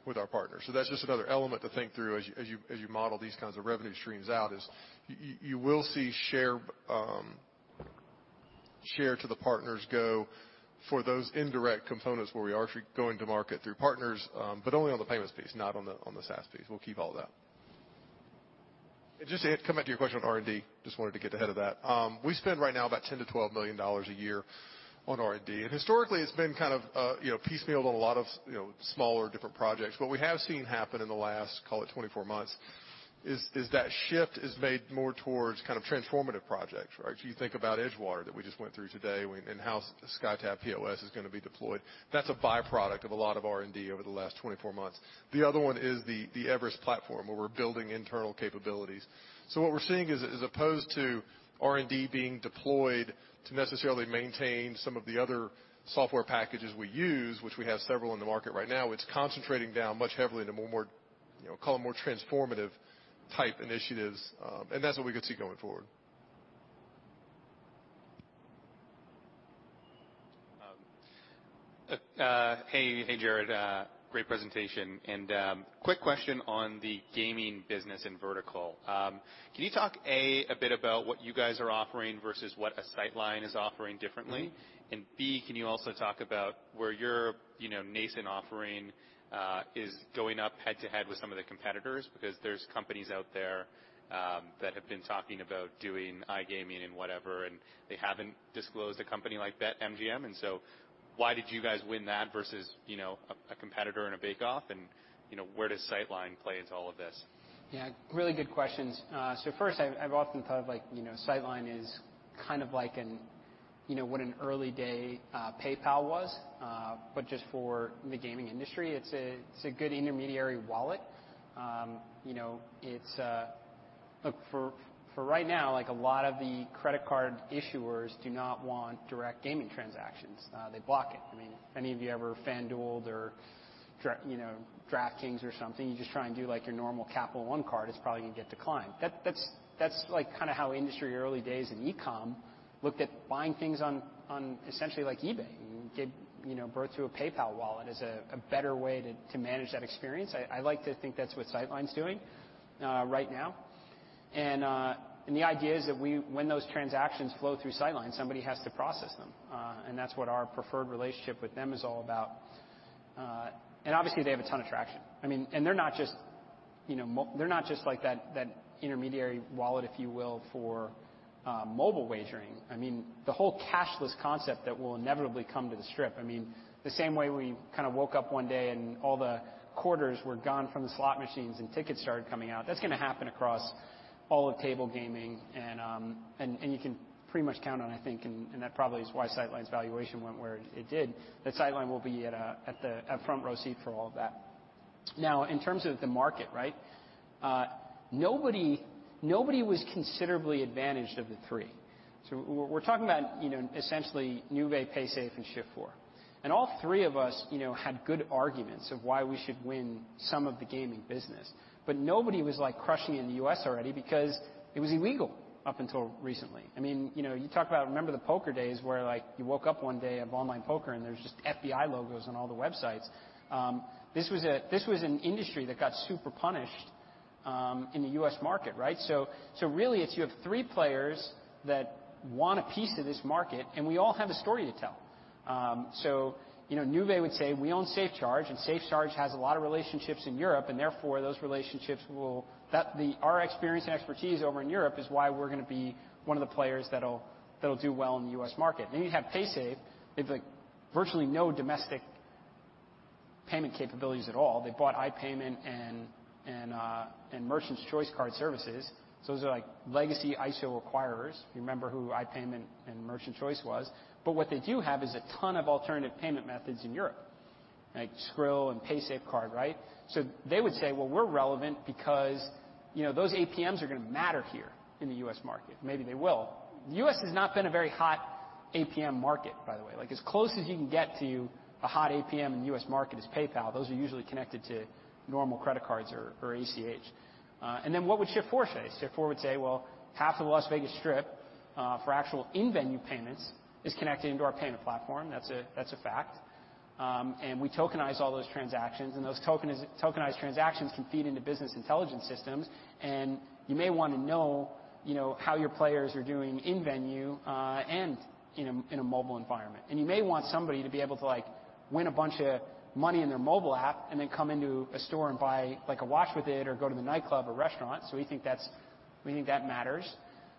with our partners. That's just another element to think through as you model these kinds of revenue streams out, you will see share to the partners go for those indirect components where we are actually going to market through partners, but only on the payments piece, not on the SaaS piece. We'll keep all that. Just to come back to your question on R&D, just wanted to get ahead of that. We spend right now about $10 million-$12 million a year on R&D. Historically, it's been kind of, you know, piecemealed on a lot of, you know, smaller different projects. What we have seen happen in the last, call it, 24 months is that Shift4 has made more towards kind of transformative projects, right? You think about Edgewater that we just went through today and how SkyTab POS is gonna be deployed. That's a byproduct of a lot of R&D over the last 24 months. The other one is the Everest platform, where we're building internal capabilities. What we're seeing is, as opposed to R&D being deployed to necessarily maintain some of the other software packages we use, which we have several in the market right now, it's concentrating much more heavily into more, you know, call it more transformative type initiatives. That's what we could see going forward. Hey, Jared. Great presentation. Quick question on the gaming business and vertical. Can you talk a bit about what you guys are offering versus what Sightline is offering differently? B, can you also talk about where your, you know, nascent offering is going up head-to-head with some of the competitors? Because there's companies out there that have been talking about doing iGaming and whatever, and they haven't disclosed a company like BetMGM. Why did you guys win that versus, you know, a competitor in a bake-off? Where does Sightline play into all of this? Yeah, really good questions. So first, I've often thought of, like, you know, Sightline is kind of like, you know, what an early day PayPal was, but just for the gaming industry, it's a good intermediary wallet. You know, it's. Look, for right now, like, a lot of the credit card issuers do not want direct gaming transactions. They block it. I mean, if any of you ever FanDuel-ed or DraftKings or something, you just try and do, like, your normal Capital One card. It's probably gonna get declined. That's, like, kinda how industry early days in e-com looked at buying things on, essentially like eBay and get, you know, brought through a PayPal wallet as a better way to manage that experience. I like to think that's what Sightline's doing right now. The idea is that when those transactions flow through Sightline, somebody has to process them. That's what our preferred relationship with them is all about. Obviously they have a ton of traction. I mean, they're not just, you know, like that intermediary wallet, if you will, for mobile wagering. I mean, the whole cashless concept that will inevitably come to the Strip. I mean, the same way we kinda woke up one day and all the quarters were gone from the slot machines and tickets started coming out. That's gonna happen across all of table gaming, and you can pretty much count on it, I think, and that probably is why Sightline's valuation went where it did, that Sightline will be at a front row seat for all of that. Now, in terms of the market, right? Nobody was considerably advantaged of the three. We're talking about, you know, essentially Nuvei, Paysafe, and Shift4. All three of us, you know, had good arguments of why we should win some of the gaming business. Nobody was, like, crushing it in the U.S. already because it was illegal up until recently. I mean, you know, you talk about remember the poker days where, like, you woke up one day of online poker, and there's just FBI logos on all the websites. This was an industry that got super punished in the U.S. market, right? Really it's you have three players that want a piece of this market, and we all have a story to tell. You know, Nuvei would say, "We own SafeCharge, and SafeCharge has a lot of relationships in Europe, and therefore those relationships will our experience and expertise over in Europe is why we're gonna be one of the players that'll do well in the U.S. market." Then you have Paysafe. They have, like, virtually no domestic payment capabilities at all. They bought iPayment and Merchants' Choice Card Services, so those are like legacy ISO acquirers. If you remember who iPayment and Merchants' Choice was. What they do have is a ton of alternative payment methods in Europe, like Skrill and PaysafeCard, right? So they would say, "Well, we're relevant because, you know, those APMs are gonna matter here in the U.S. market." Maybe they will. The U.S. has not been a very hot APM market, by the way. Like, as close as you can get to a hot APM in the U.S. market is PayPal. Those are usually connected to normal credit cards or ACH. Then what would Shift4 say? Shift4 would say, "Well, half of the Las Vegas Strip, for actual in-venue payments is connected into our payment platform." That's a fact. We tokenize all those transactions, and those tokenized transactions can feed into business intelligence systems. You may wanna know, you know, how your players are doing in venue and in a mobile environment. You may want somebody to be able to, like, win a bunch of money in their mobile app and then come into a store and buy, like, a watch with it or go to the nightclub or restaurant. We think that matters.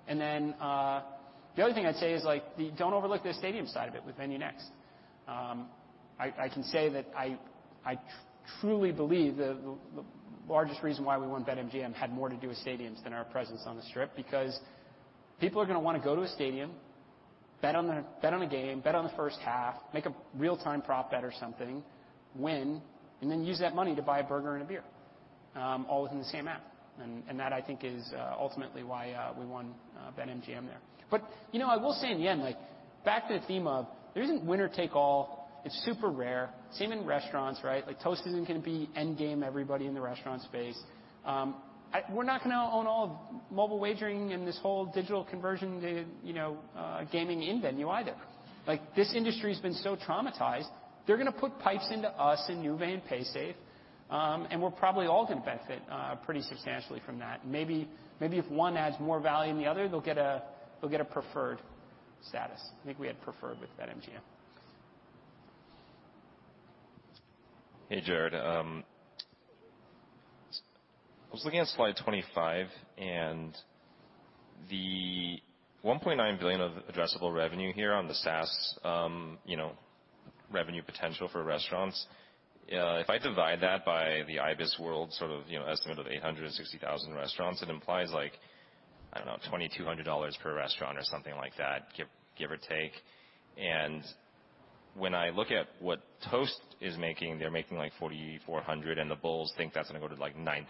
The other thing I'd say is, like, don't overlook the stadium side of it with VenueNext. I can say that I truly believe the largest reason why we won BetMGM had more to do with stadiums than our presence on the Strip, because people are gonna wanna go to a stadium, bet on the, bet on a game, bet on the first half, make a real-time prop bet or something, win, and then use that money to buy a burger and a beer, all within the same app. That, I think, is ultimately why we won BetMGM there. You know, I will say in the end, like, back to the theme of there isn't winner take all. It's super rare. Same in restaurants, right? Like, Toast isn't gonna be endgame everybody in the restaurant space. We're not gonna own all of mobile wagering and this whole digital conversion to, you know, gaming in-venue either. Like, this industry's been so traumatized, they're gonna put pipes into us and Nuvei and Paysafe, and we're probably all gonna benefit pretty substantially from that. Maybe if one adds more value than the other, they'll get a preferred status. I think we had preferred with BetMGM. Hey, Jared. I was looking at slide 25, and the $1.9 billion of addressable revenue here on the SaaS, you know, revenue potential for restaurants. If I divide that by the IBISWorld sort of, you know, estimate of 860,000 restaurants, it implies like, I don't know, $2,200 per restaurant or something like that, give or take. When I look at what Toast is making, they're making, like, $4,400, and the bulls think that's gonna go to, like, $9,000.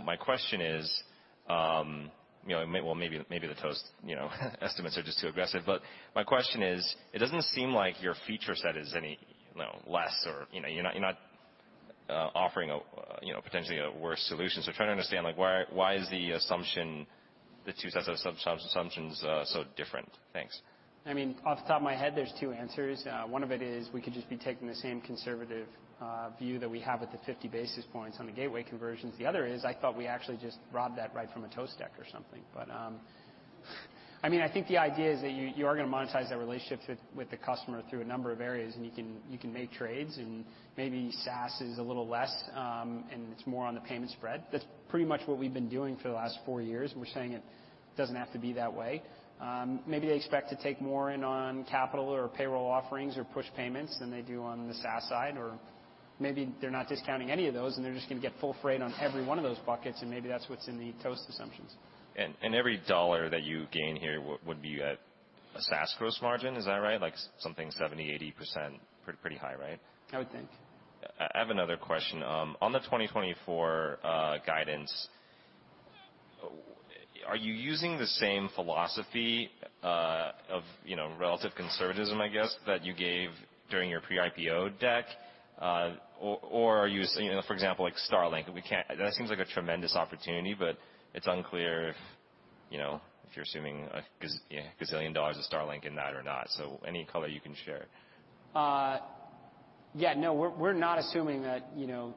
Hmm. My question is, you know, maybe the Toast you know estimates are just too aggressive. My question is, it doesn't seem like your feature set is any, you know, less or, you know, you're not offering a, you know, potentially a worse solution. Trying to understand, like, why is the assumption, the two sets of assumptions so different? Thanks. I mean, off the top of my head, there's two answers. One of it is we could just be taking the same conservative view that we have at the 50 basis points on the gateway conversions. The other is I thought we actually just robbed that right from a Toast deck or something. I mean, I think the idea is that you are gonna monetize that relationship with the customer through a number of areas, and you can make trades, and maybe SaaS is a little less, and it's more on the payment spread. That's pretty much what we've been doing for the last four years. We're saying it doesn't have to be that way. Maybe they expect to take more in on capital or payroll offerings or push payments than they do on the SaaS side. Maybe they're not discounting any of those, and they're just gonna get full freight on every one of those buckets, and maybe that's what's in the Toast assumptions. Every dollar that you gain here would be at a SaaS gross margin, is that right? Like something 70%-80%. Pretty high, right? I would think. I have another question. On the 2024 guidance, are you using the same philosophy of, you know, relative conservatism, I guess, that you gave during your pre-IPO deck? Or you know, for example, like Starlink. That seems like a tremendous opportunity, but it's unclear if, you know, if you're assuming a gazillion dollars of Starlink in that or not. Any color you can share. Yeah, no, we're not assuming that, you know,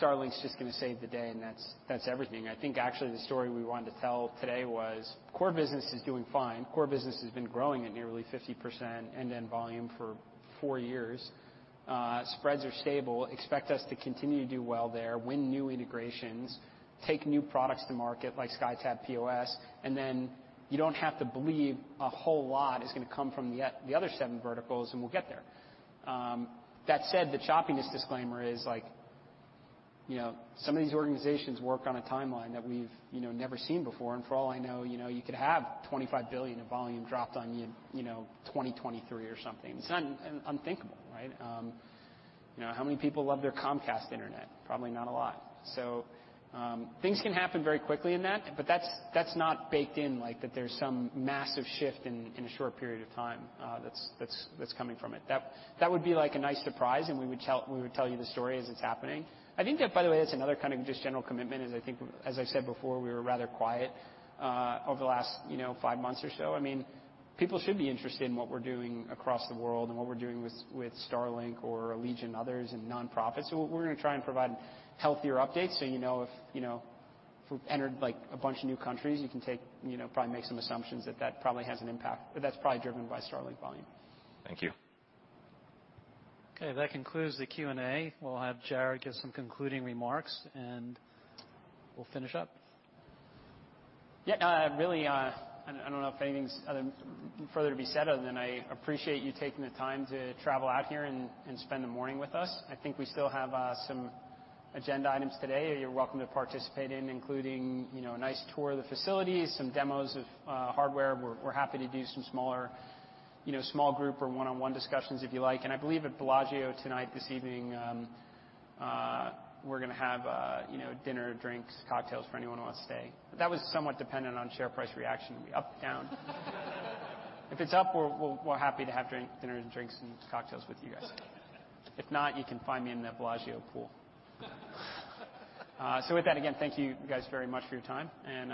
Starlink's just gonna save the day and that's everything. I think actually the story we wanted to tell today was core business is doing fine. Core business has been growing at nearly 50% end-to-end volume for four years. Spreads are stable. Expect us to continue to do well there, win new integrations, take new products to market, like SkyTab POS, and then you don't have to believe a whole lot is gonna come from the other seven verticals and we'll get there. That said, the choppiness disclaimer is, like, you know, some of these organizations work on a timeline that we've, you know, never seen before. For all I know, you know, you could have 25 billion of volume dropped on you know, 2023 or something. It's unthinkable, right? You know, how many people love their Comcast internet? Probably not a lot. Things can happen very quickly in that, but that's not baked in, like, that there's some massive shift in a short period of time, that's coming from it. That would be like a nice surprise, and we would tell you the story as it's happening. I think that, by the way, that's another kind of just general commitment. I think, as I said before, we were rather quiet over the last, you know, five months or so. I mean, people should be interested in what we're doing across the world and what we're doing with Starlink or Allegiant, others and nonprofits. We're gonna try and provide healthier updates, so you know if, you know, if we've entered, like, a bunch of new countries, you can take you know, probably make some assumptions that probably has an impact, but that's probably driven by Starlink volume. Thank you. Okay, that concludes the Q&A. We'll have Jared give some concluding remarks, and we'll finish up. Yeah. Really, I don't know if anything's further to be said other than I appreciate you taking the time to travel out here and spend the morning with us. I think we still have some agenda items today you're welcome to participate in, including, you know, a nice tour of the facilities, some demos of hardware. We're happy to do some smaller, you know, small group or one-on-one discussions if you like. I believe at Bellagio tonight, this evening, we're gonna have, you know, dinner, drinks, cocktails for anyone who wants to stay. That was somewhat dependent on share price reaction. Up, down. If it's up, we're happy to have dinner and drinks and cocktails with you guys. If not, you can find me in the Bellagio pool. With that, again, thank you guys very much for your time, and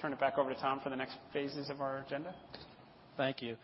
turn it back over to Tom for the next phases of our agenda. Thank you.